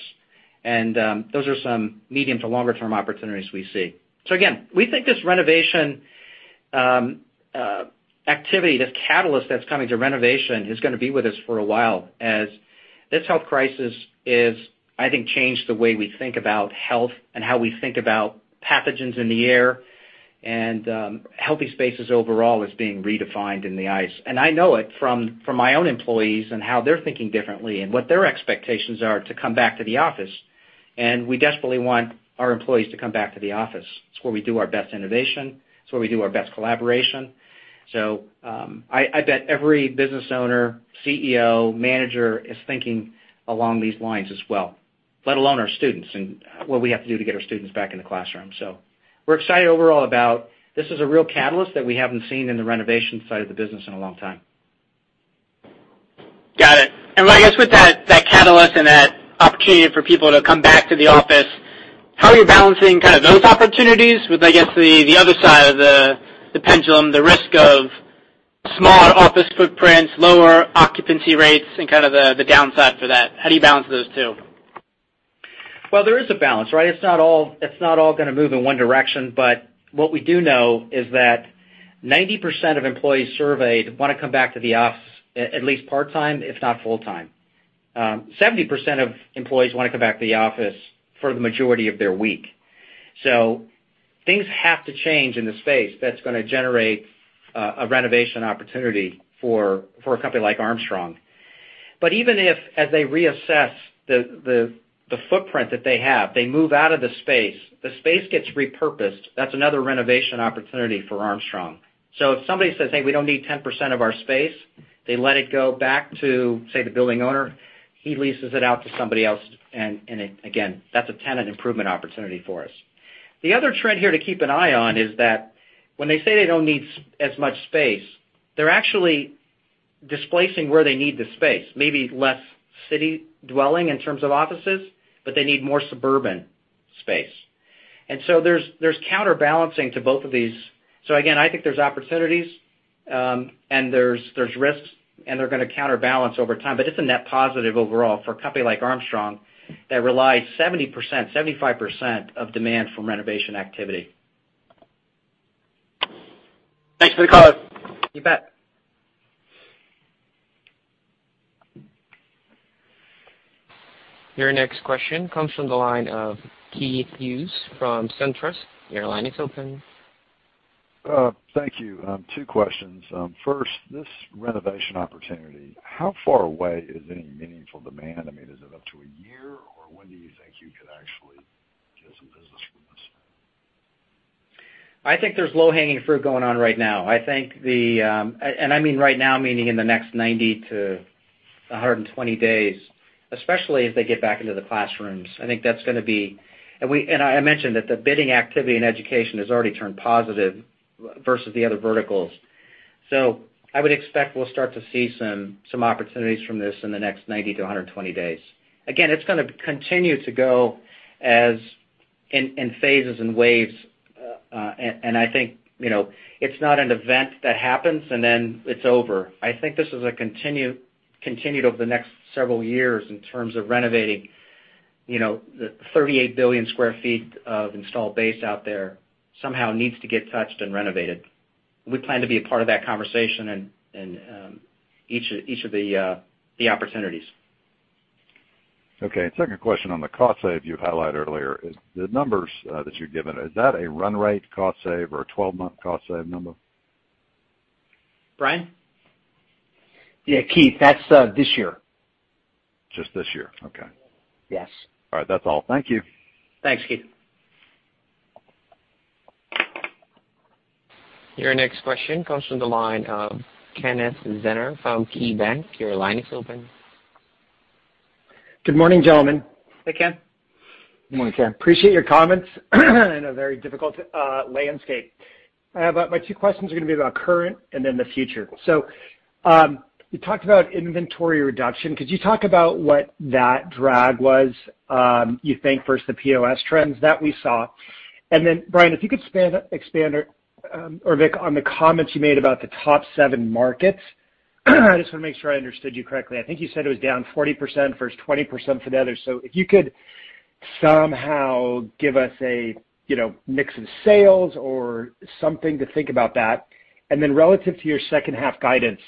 Those are some medium to longer term opportunities we see. Again, we think this renovation activity, this catalyst that's coming to renovation, is going to be with us for a while, as this health crisis is, I think, changed the way we think about health and how we think about pathogens in the air and healthy spaces overall is being redefined in the eyes. I know it from my own employees and how they're thinking differently and what their expectations are to come back to the office. We desperately want our employees to come back to the office. It's where we do our best innovation. It's where we do our best collaboration. I bet every business owner, CEO, manager is thinking along these lines as well, let alone our students and what we have to do to get our students back in the classroom. We're excited overall about this is a real catalyst that we haven't seen in the renovation side of the business in a long time. Got it. I guess with that catalyst and that opportunity for people to come back to the office, how are you balancing kind of those opportunities with, I guess, the other side of the pendulum, the risk of smaller office footprints, lower occupancy rates, and kind of the downside for that? How do you balance those two? Well, there is a balance, right? It's not all going to move in one direction, but what we do know is that 90% of employees surveyed want to come back to the office at least part-time, if not full-time. 70% of employees want to come back to the office for the majority of their week. Things have to change in the space that's going to generate a renovation opportunity for a company like Armstrong. Even if as they reassess the footprint that they have, they move out of the space. The space gets repurposed. That's another renovation opportunity for Armstrong. If somebody says, "Hey, we don't need 10% of our space," they let it go back to, say, the building owner. He leases it out to somebody else. Again, that's a tenant improvement opportunity for us. The other trend here to keep an eye on is that when they say they don't need as much space, they're actually displacing where they need the space, maybe less city dwelling in terms of offices, but they need more suburban space. There's counterbalancing to both of these. Again, I think there's opportunities, and there's risks, and they're going to counterbalance over time. It's a net positive overall for a company like Armstrong that relies 70%, 75% of demand from renovation activity. Thanks for the color. You bet. Your next question comes from the line of Keith Hughes from Truist Securities. Your line is open. Thank you. Two questions. First, this renovation opportunity, how far away is any meaningful demand? I mean, is it up to a year, or when do you think you could actually get some business from this? I think there's low-hanging fruit going on right now. I mean right now meaning in the next 90-120 days, especially as they get back into the classrooms. I mentioned that the bidding activity in education has already turned positive versus the other verticals. I would expect we'll start to see some opportunities from this in the next 90-120 days. Again, it's going to continue to go in phases and waves. I think it's not an event that happens and then it's over. I think this is continued over the next several years in terms of renovating. The 38 billion sq ft of installed base out there somehow needs to get touched and renovated. We plan to be a part of that conversation and each of the opportunities. Okay, second question on the cost save you highlighted earlier. The numbers that you've given, is that a run rate cost save or a 12-month cost save number? Brian? Yeah, Keith, that's this year. Just this year. Okay. Yes. All right. That's all. Thank you. Thanks, Keith. Your next question comes from the line of Kenneth Zener from KeyBank. Your line is open. Good morning, gentlemen. Hey, Ken. Good morning, Ken. Appreciate your comments in a very difficult landscape. My two questions are going to be about current and then the future. You talked about inventory reduction. Could you talk about what that drag was you think versus the POS trends that we saw? Brian, if you could expand, or Vic, on the comments you made about the top seven markets. I just want to make sure I understood you correctly. I think you said it was down 40% versus 20% for the others. If you could somehow give us a mix in sales or something to think about that. Relative to your second half guidance,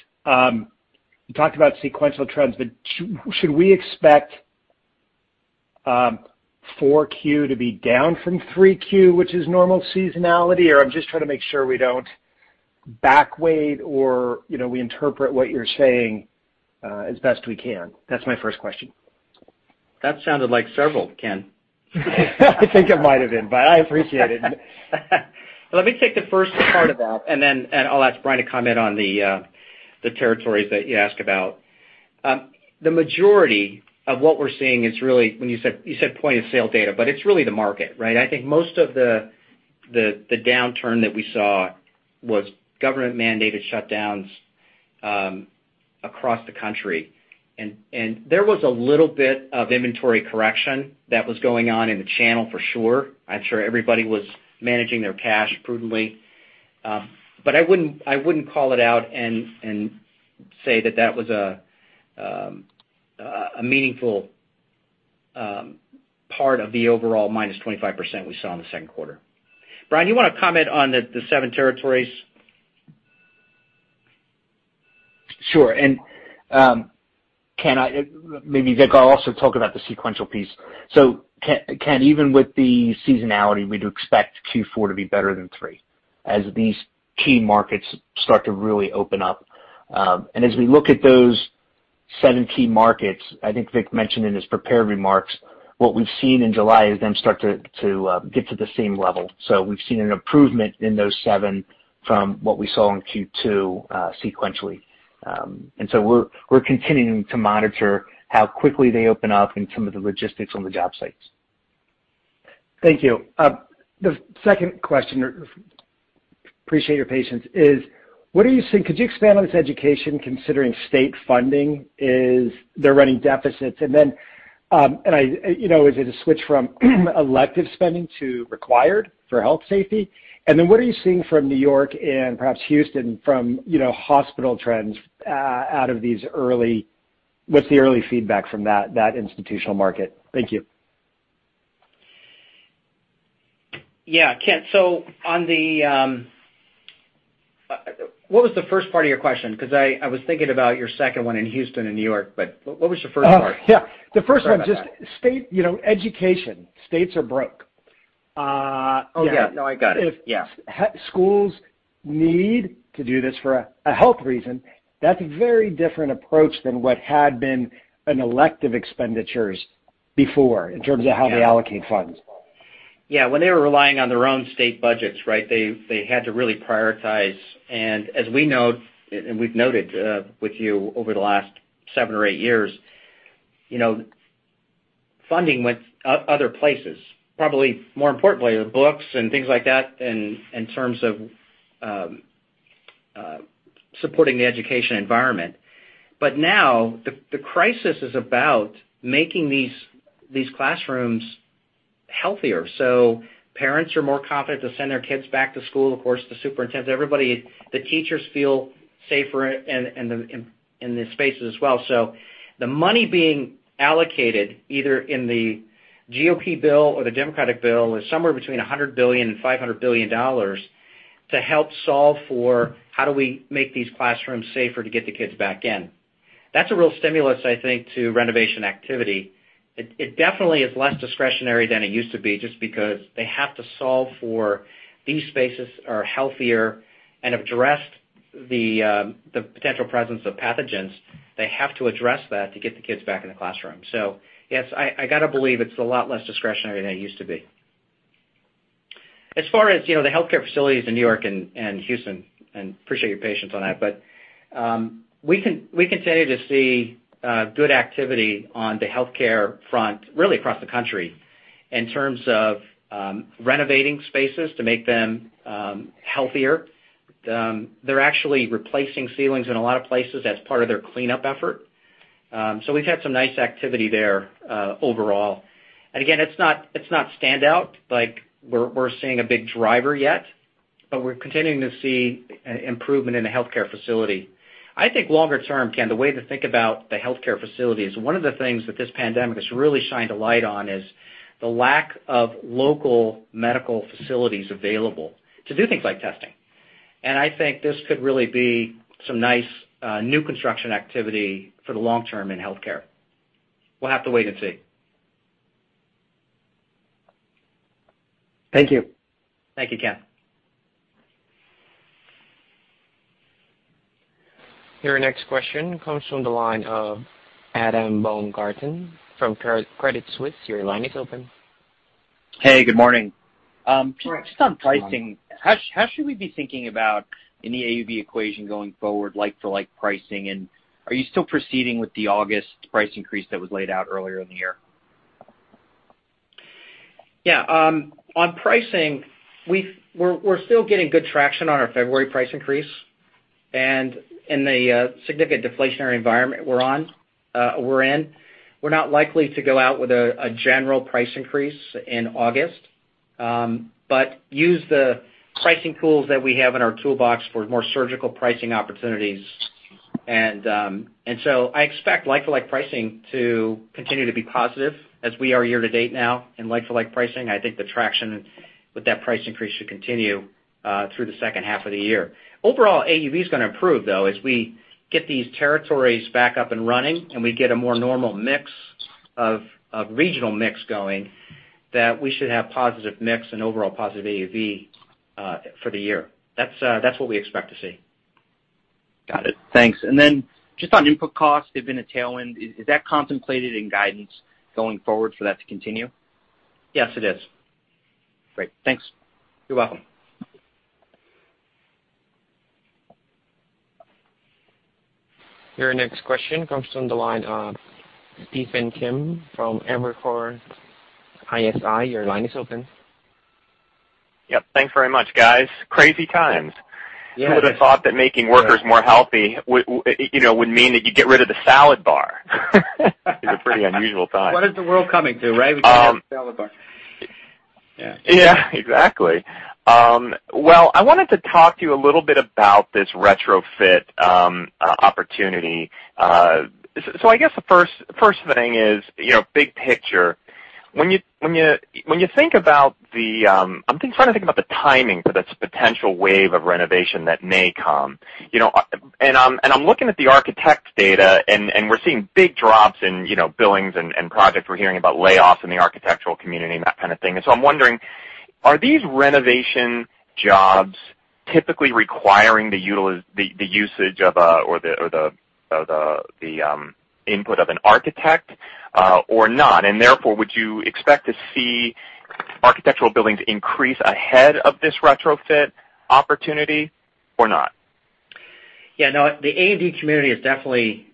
you talked about sequential trends, but should we expect Q4 to be down from Q3, which is normal seasonality? I'm just trying to make sure we don't back weight or we interpret what you're saying as best we can. That's my first question. That sounded like several, Ken. I think it might've been, but I appreciate it. Let me take the first part of that, and then I'll ask Brian to comment on the territories that you asked about. The majority of what we're seeing is really, when you said point of sale data, but it's really the market, right? I think most of the downturn that we saw was government mandated shutdowns across the country. There was a little bit of inventory correction that was going on in the channel for sure. I'm sure everybody was managing their cash prudently. I wouldn't call it out and say that that was a meaningful part of the overall -25% we saw in the second quarter. Brian, you want to comment on the seven territories? Sure. Maybe Vic, I'll also talk about the sequential piece. Ken, even with the seasonality, we do expect Q4 to be better than three as these key markets start to really open up. As we look at those seven key markets, I think Vic mentioned in his prepared remarks, what we've seen in July is them start to get to the same level. We've seen an improvement in those seven from what we saw in Q2, sequentially. We're continuing to monitor how quickly they open up and some of the logistics on the job sites. Thank you. The second question, appreciate your patience, is could you expand on this education considering state funding is they're running deficits? Is it a switch from elective spending to required for health safety? What are you seeing from New York and perhaps Houston from hospital trends, what's the early feedback from that institutional market? Thank you. Yeah. Ken, what was the first part of your question? I was thinking about your second one in Houston and New York, but what was your first part? Oh, yeah. Sorry about that. just education, states are broke. Oh, yeah. No, I got it. Yeah. If schools need to do this for a health reason, that is a very different approach than what had been an elective expenditures before in terms of how they allocate funds. Yeah. When they were relying on their own state budgets, they had to really prioritize. As we know, and we've noted with you over the last seven or eight years, funding went other places, probably more importantly, the books and things like that in terms of supporting the education environment. Now, the crisis is about making these classrooms healthier. Parents are more confident to send their kids back to school. Of course, the superintendents, everybody, the teachers feel safer in the spaces as well. The money being allocated either in the GOP bill or the Democratic bill is somewhere between $100 billion and $500 billion to help solve for how do we make these classrooms safer to get the kids back in. That's a real stimulus, I think, to renovation activity. It definitely is less discretionary than it used to be just because they have to solve for these spaces are healthier and address the potential presence of pathogens. They have to address that to get the kids back in the classroom. Yes, I got to believe it's a lot less discretionary than it used to be. As far as the healthcare facilities in New York and Houston, appreciate your patience on that, we continue to see good activity on the healthcare front, really across the country in terms of renovating spaces to make them healthier. They're actually replacing ceilings in a lot of places as part of their cleanup effort. We've had some nice activity there, overall. Again, it's not standout like we're seeing a big driver yet, we're continuing to see improvement in the healthcare facility. I think longer term, Kenneth, the way to think about the healthcare facility is one of the things that this pandemic has really shined a light on is the lack of local medical facilities available to do things like testing. I think this could really be some nice, new construction activity for the long term in healthcare. We'll have to wait and see. Thank you. Thank you, Ken. Your next question comes from the line of Adam Baumgarten from Credit Suisse. Your line is open. Hey, good morning. Good morning. Just on pricing, how should we be thinking about any AUV equation going forward, like-for-like pricing? Are you still proceeding with the August price increase that was laid out earlier in the year? Yeah. On pricing, we're still getting good traction on our February price increase. In the significant deflationary environment we're in, we're not likely to go out with a general price increase in August. Use the pricing tools that we have in our toolbox for more surgical pricing opportunities. I expect like-for-like pricing to continue to be positive as we are year to date now in like-for-like pricing. I think the traction with that price increase should continue through the second half of the year. Overall, AUV is going to improve, though, as we get these territories back up and running, and we get a more normal regional mix going, that we should have positive mix and overall positive AUV for the year. That's what we expect to see. Got it. Thanks. Just on input costs, they've been a tailwind. Is that contemplated in guidance going forward for that to continue? Yes, it is. Great. Thanks. You're welcome. Your next question comes from the line of Stephen Kim from Evercore ISI. Your line is open. Yep. Thanks very much, guys. Crazy times. Yeah. Who would've thought that making workers more healthy would mean that you get rid of the salad bar? It's a pretty unusual time. What is the world coming to, right? We don't have salad bars. Yeah. Yeah, exactly. Well, I wanted to talk to you a little bit about this retrofit opportunity. I guess the first thing is big picture. I'm trying to think about the timing for this potential wave of renovation that may come. I'm looking at the architect data, and we're seeing big drops in billings and projects. We're hearing about layoffs in the architectural community and that kind of thing. I'm wondering, are these renovation jobs typically requiring the usage or the input of an architect or not? Therefore, would you expect to see architectural billings increase ahead of this retrofit opportunity or not? Yeah, no. The A&D community is definitely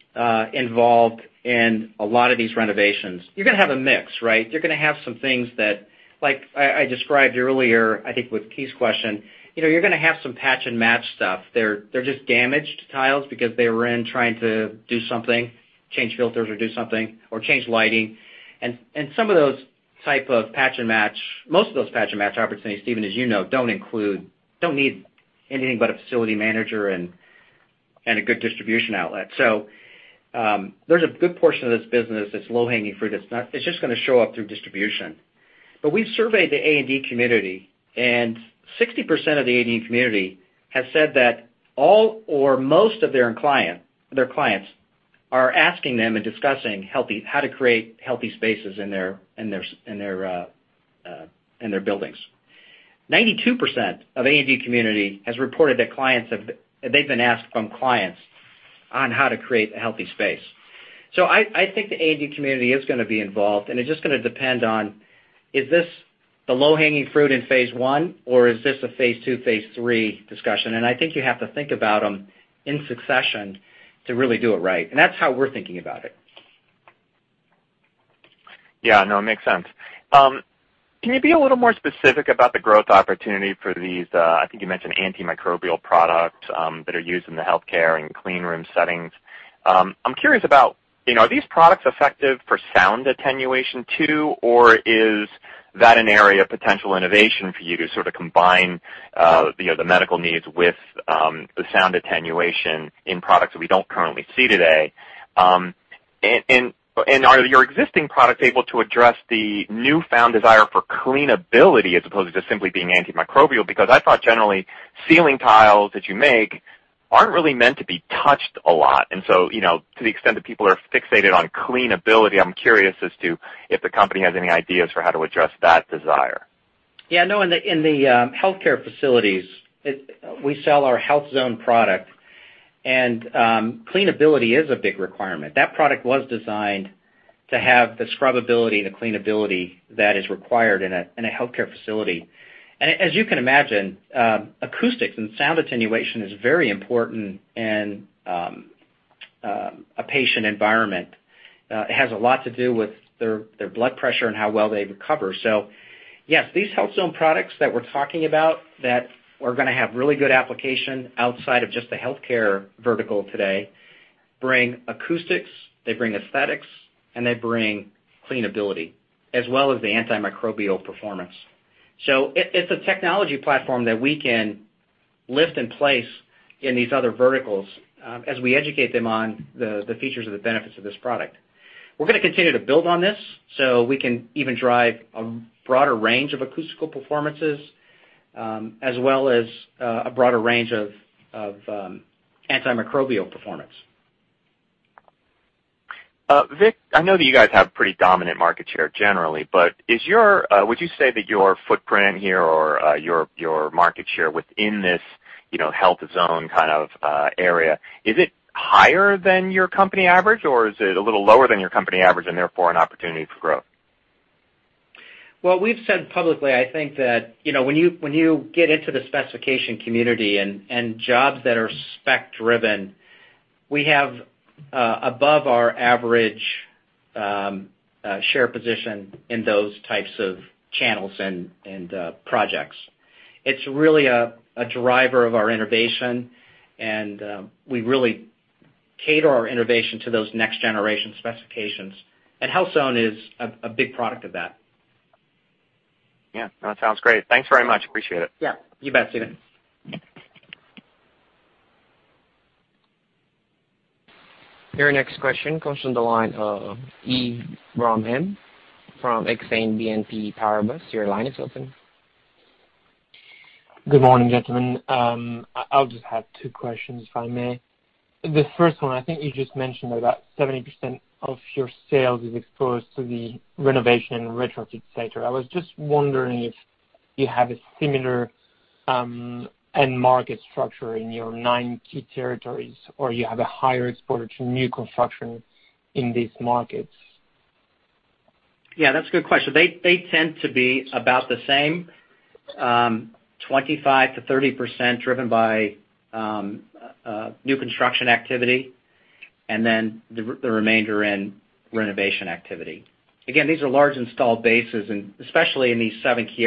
involved in a lot of these renovations. You're going to have a mix, right? You're going to have some things that, like I described earlier, I think with Keith's question, you're going to have some patch and match stuff. They're just damaged tiles because they were in trying to do something, change filters or do something, or change lighting. Some of those type of patch and match, most of those patch and match opportunities, Stephen, as you know, don't need anything but a facility manager and a good distribution outlet. There's a good portion of this business that's low-hanging fruit that's just going to show up through distribution. We've surveyed the A&D community, and 60% of the A&D community has said that all or most of their clients are asking them and discussing how to create healthy spaces in their buildings. 92% of A&D community has reported that they've been asked from clients on how to create a healthy space. I think the A&D community is going to be involved, and it's just going to depend on, is this the low-hanging fruit in phase I, or is this a phase II, phase III discussion? I think you have to think about them in succession to really do it right. That's how we're thinking about it. Yeah, no, it makes sense. Can you be a little more specific about the growth opportunity for these, I think you mentioned antimicrobial products that are used in the healthcare and clean room settings. I'm curious about, are these products effective for sound attenuation too, or is that an area of potential innovation for you to sort of combine the medical needs with the sound attenuation in products that we don't currently see today? Are your existing products able to address the newfound desire for cleanability as opposed to just simply being antimicrobial? Because I thought generally, ceiling tiles that you make aren't really meant to be touched a lot. To the extent that people are fixated on cleanability, I'm curious as to if the company has any ideas for how to address that desire. Yeah, no. In the healthcare facilities, we sell our HealthZone product, and cleanability is a big requirement. That product was designed to have the scrubbability, the cleanability that is required in a healthcare facility. As you can imagine, acoustics and sound attenuation is very important in a patient environment. It has a lot to do with their blood pressure and how well they recover. Yes, these HealthZone products that we're talking about that are going to have really good application outside of just the healthcare vertical today, bring acoustics, they bring aesthetics, and they bring cleanability, as well as the antimicrobial performance. It's a technology platform that we can lift in place in these other verticals as we educate them on the features and the benefits of this product. We're going to continue to build on this so we can even drive a broader range of acoustical performances as well as a broader range of antimicrobial performance. Vic, I know that you guys have pretty dominant market share generally, but would you say that your footprint here or your market share within this HealthZone kind of area, is it higher than your company average, or is it a little lower than your company average and therefore an opportunity for growth? Well, we've said publicly, I think that when you get into the specification community and jobs that are spec driven, we have above our average share position in those types of channels and projects. It's really a driver of our innovation, and we really cater our innovation to those next generation specifications. HealthZone is a big product of that. Yeah. That sounds great. Thanks very much. Appreciate it. Yeah. You bet, Stephen. Your next question comes from the line of Yves Rahm from Exane BNP Paribas. Your line is open. Good morning, gentlemen. I'll just have two questions, if I may. The first one, I think you just mentioned that about 70% of your sales is exposed to the renovation and retrofit sector. I was just wondering if you have a similar end market structure in your nine key territories, or you have a higher exposure to new construction in these markets. Yeah, that's a good question. They tend to be about the same, 25%-30% driven by new construction activity. The remainder in renovation activity. Again, these are large installed bases, and especially in these seven key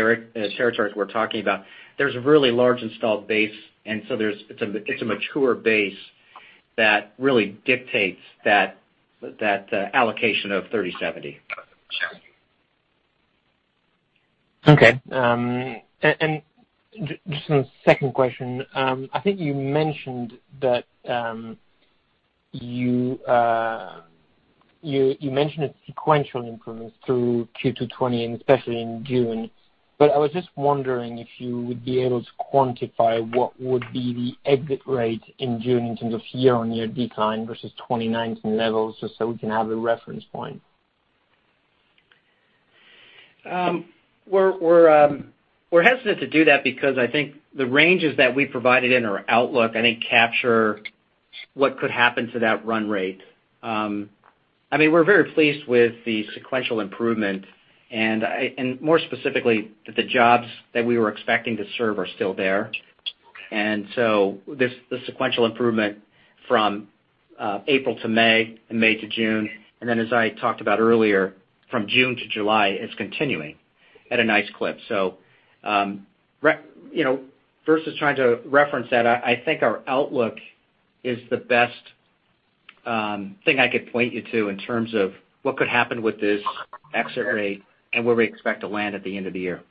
territories we're talking about, there's a really large installed base. It's a mature base that really dictates that allocation of 30/70. Okay. Just on second question, I think you mentioned a sequential improvement through Q2 2020, and especially in June. I was just wondering if you would be able to quantify what would be the exit rate in June in terms of year-on-year decline versus 2019 levels, just so we can have a reference point. We're hesitant to do that because I think the ranges that we provided in our outlook, I think, capture what could happen to that run rate. We're very pleased with the sequential improvement, and more specifically, that the jobs that we were expecting to serve are still there. Okay. The sequential improvement from April to May, and May to June, and then as I talked about earlier, from June to July, is continuing at a nice clip. Versus trying to reference that, I think our outlook is the best thing I could point you to in terms of what could happen with this exit rate and where we expect to land at the end of the year.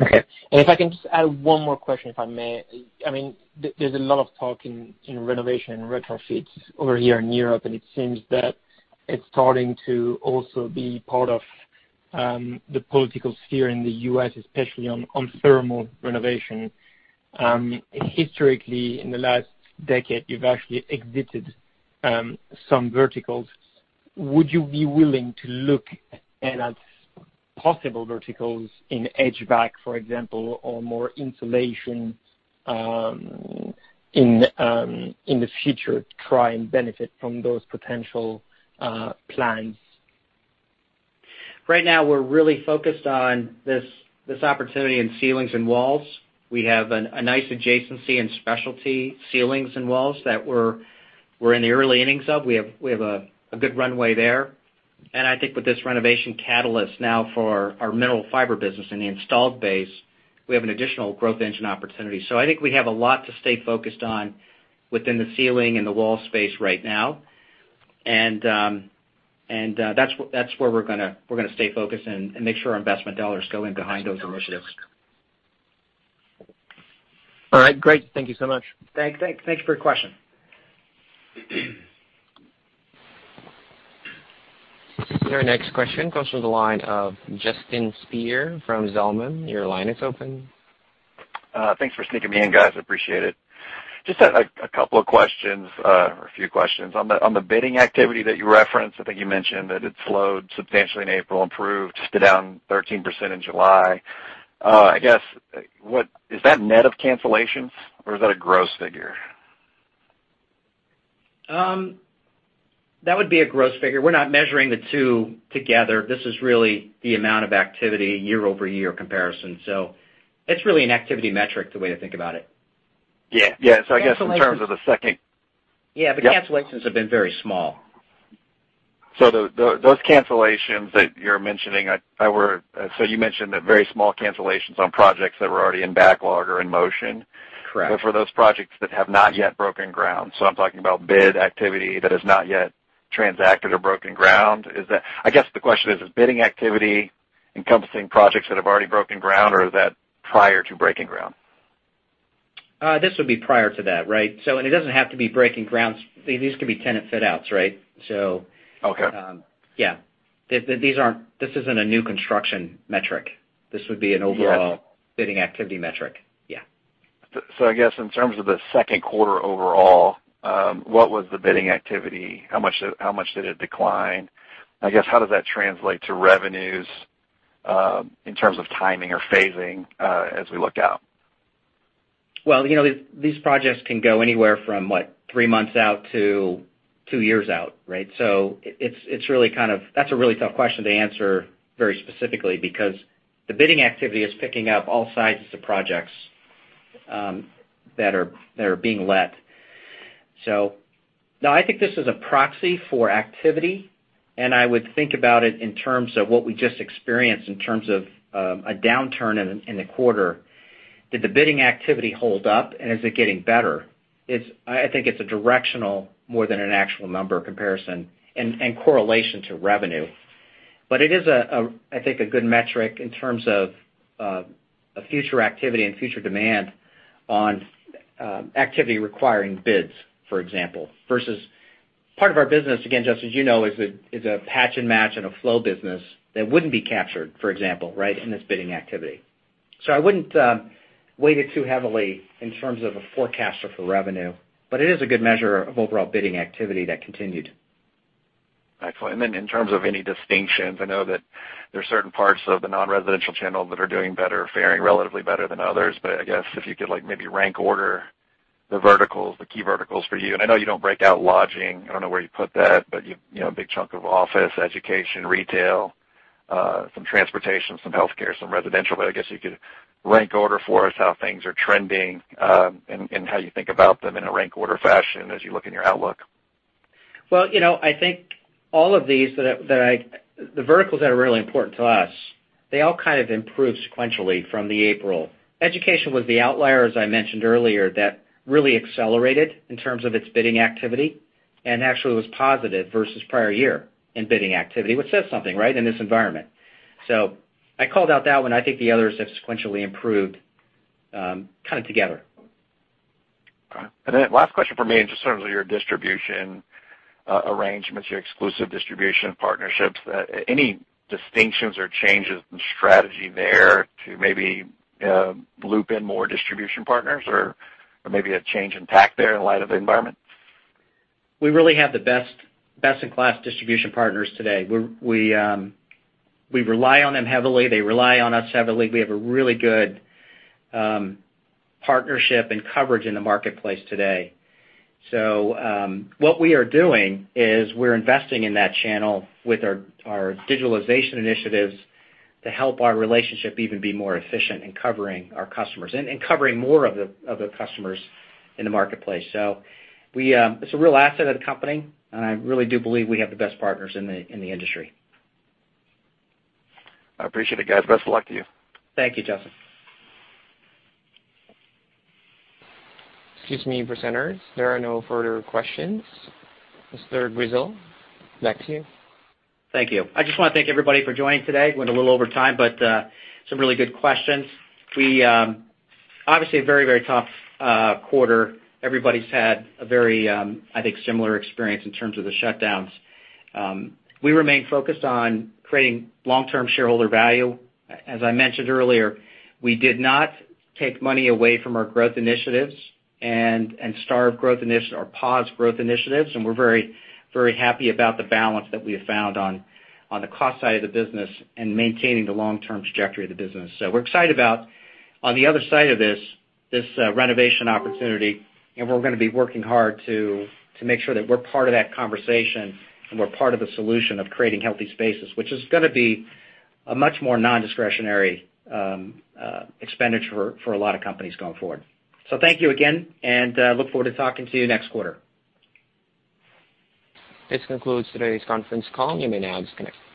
Okay. If I can just add one more question, if I may. There's a lot of talk in renovation and retrofits over here in Europe. It seems that it's starting to also be part of the political sphere in the U.S., especially on thermal renovation. Historically, in the last decade, you've actually exited some verticals. Would you be willing to look at possible verticals in HVAC, for example, or more insulation in the future to try and benefit from those potential plans? Right now we're really focused on this opportunity in ceilings and walls. We have a nice adjacency in specialty ceilings and walls that we're in the early innings of. We have a good runway there. I think with this renovation catalyst now for our Mineral Fiber business and the installed base, we have an additional growth engine opportunity. I think we have a lot to stay focused on within the ceiling and the wall space right now. That's where we're going to stay focused and make sure our investment dollars go in behind those initiatives. All right. Great. Thank you so much. Thanks for your question. Your next question comes from the line of Justin Speer from Zelman. Your line is open. Thanks for sneaking me in, guys. I appreciate it. Just a couple of questions, or a few questions. On the bidding activity that you referenced, I think you mentioned that it slowed substantially in April, improved, still down 13% in July. I guess, is that net of cancellations, or is that a gross figure? That would be a gross figure. We're not measuring the two together. This is really the amount of activity year-over-year comparison. It's really an activity metric, the way to think about it. Yeah. I guess in terms of the second Yeah. Cancellations have been very small. Those cancellations that you're mentioning, so you mentioned that very small cancellations on projects that were already in backlog or in motion. Correct. For those projects that have not yet broken ground, so I'm talking about bid activity that has not yet transacted or broken ground. I guess the question is bidding activity encompassing projects that have already broken ground, or is that prior to breaking ground? This would be prior to that, right? It doesn't have to be breaking ground. These could be tenant fit outs, right? Okay. Yeah. This isn't a new construction metric. This would be an overall bidding activity metric. Yeah. I guess in terms of the second quarter overall, what was the bidding activity? How much did it decline? I guess, how does that translate to revenues, in terms of timing or phasing, as we look out? Well, these projects can go anywhere from what, three months out to two years out, right? That's a really tough question to answer very specifically, because the bidding activity is picking up all sizes of projects that are being let. No, I think this is a proxy for activity, and I would think about it in terms of what we just experienced in terms of a downturn in the quarter. Did the bidding activity hold up, and is it getting better? I think it's a directional more than an actual number comparison and correlation to revenue. It is, I think, a good metric in terms of future activity and future demand on activity requiring bids, for example. Versus part of our business, again, Justin, as you know, is a patch and match and a flow business that wouldn't be captured, for example, in this bidding activity. I wouldn't weigh it too heavily in terms of a forecast or for revenue, but it is a good measure of overall bidding activity that continued. Excellent. In terms of any distinctions, I know that there's certain parts of the non-residential channel that are doing better, or faring relatively better than others. I guess if you could maybe rank order the verticals, the key verticals for you. I know you don't break out lodging. I don't know where you put that. A big chunk of office, education, retail, Some transportation, some healthcare, some residential, I guess you could rank order for us how things are trending, and how you think about them in a rank order fashion as you look in your outlook. Well, I think all of these, the verticals that are really important to us, they all kind of improved sequentially from the April. Education was the outlier, as I mentioned earlier, that really accelerated in terms of its bidding activity, and actually was positive versus prior year in bidding activity, which says something, right? In this environment. I called out that one. I think the others have sequentially improved kind of together. Okay. Last question from me, just in terms of your distribution arrangements, your exclusive distribution partnerships. Any distinctions or changes in strategy there to maybe loop in more distribution partners or maybe a change in tack there in light of the environment? We really have the best in class distribution partners today. We rely on them heavily. They rely on us heavily. We have a really good partnership and coverage in the marketplace today. What we are doing is we're investing in that channel with our digitalization initiatives to help our relationship even be more efficient in covering our customers and covering more of the customers in the marketplace. It's a real asset of the company, and I really do believe we have the best partners in the industry. I appreciate it, guys. Best of luck to you. Thank you, Justin. Excuse me, presenters. There are no further questions. Mr. Grizzle, back to you. Thank you. I just want to thank everybody for joining today. Went a little over time, but some really good questions. Obviously a very tough quarter. Everybody's had a very, I think, similar experience in terms of the shutdowns. We remain focused on creating long-term shareholder value. As I mentioned earlier, we did not take money away from our growth initiatives and starve growth initiatives or pause growth initiatives, and we're very happy about the balance that we have found on the cost side of the business and maintaining the long-term trajectory of the business. We're excited about, on the other side of this renovation opportunity, and we're going to be working hard to make sure that we're part of that conversation and we're part of the solution of creating healthy spaces, which is going to be a much more non-discretionary expenditure for a lot of companies going forward. Thank you again, and look forward to talking to you next quarter. This concludes today's conference call. You may now disconnect your call.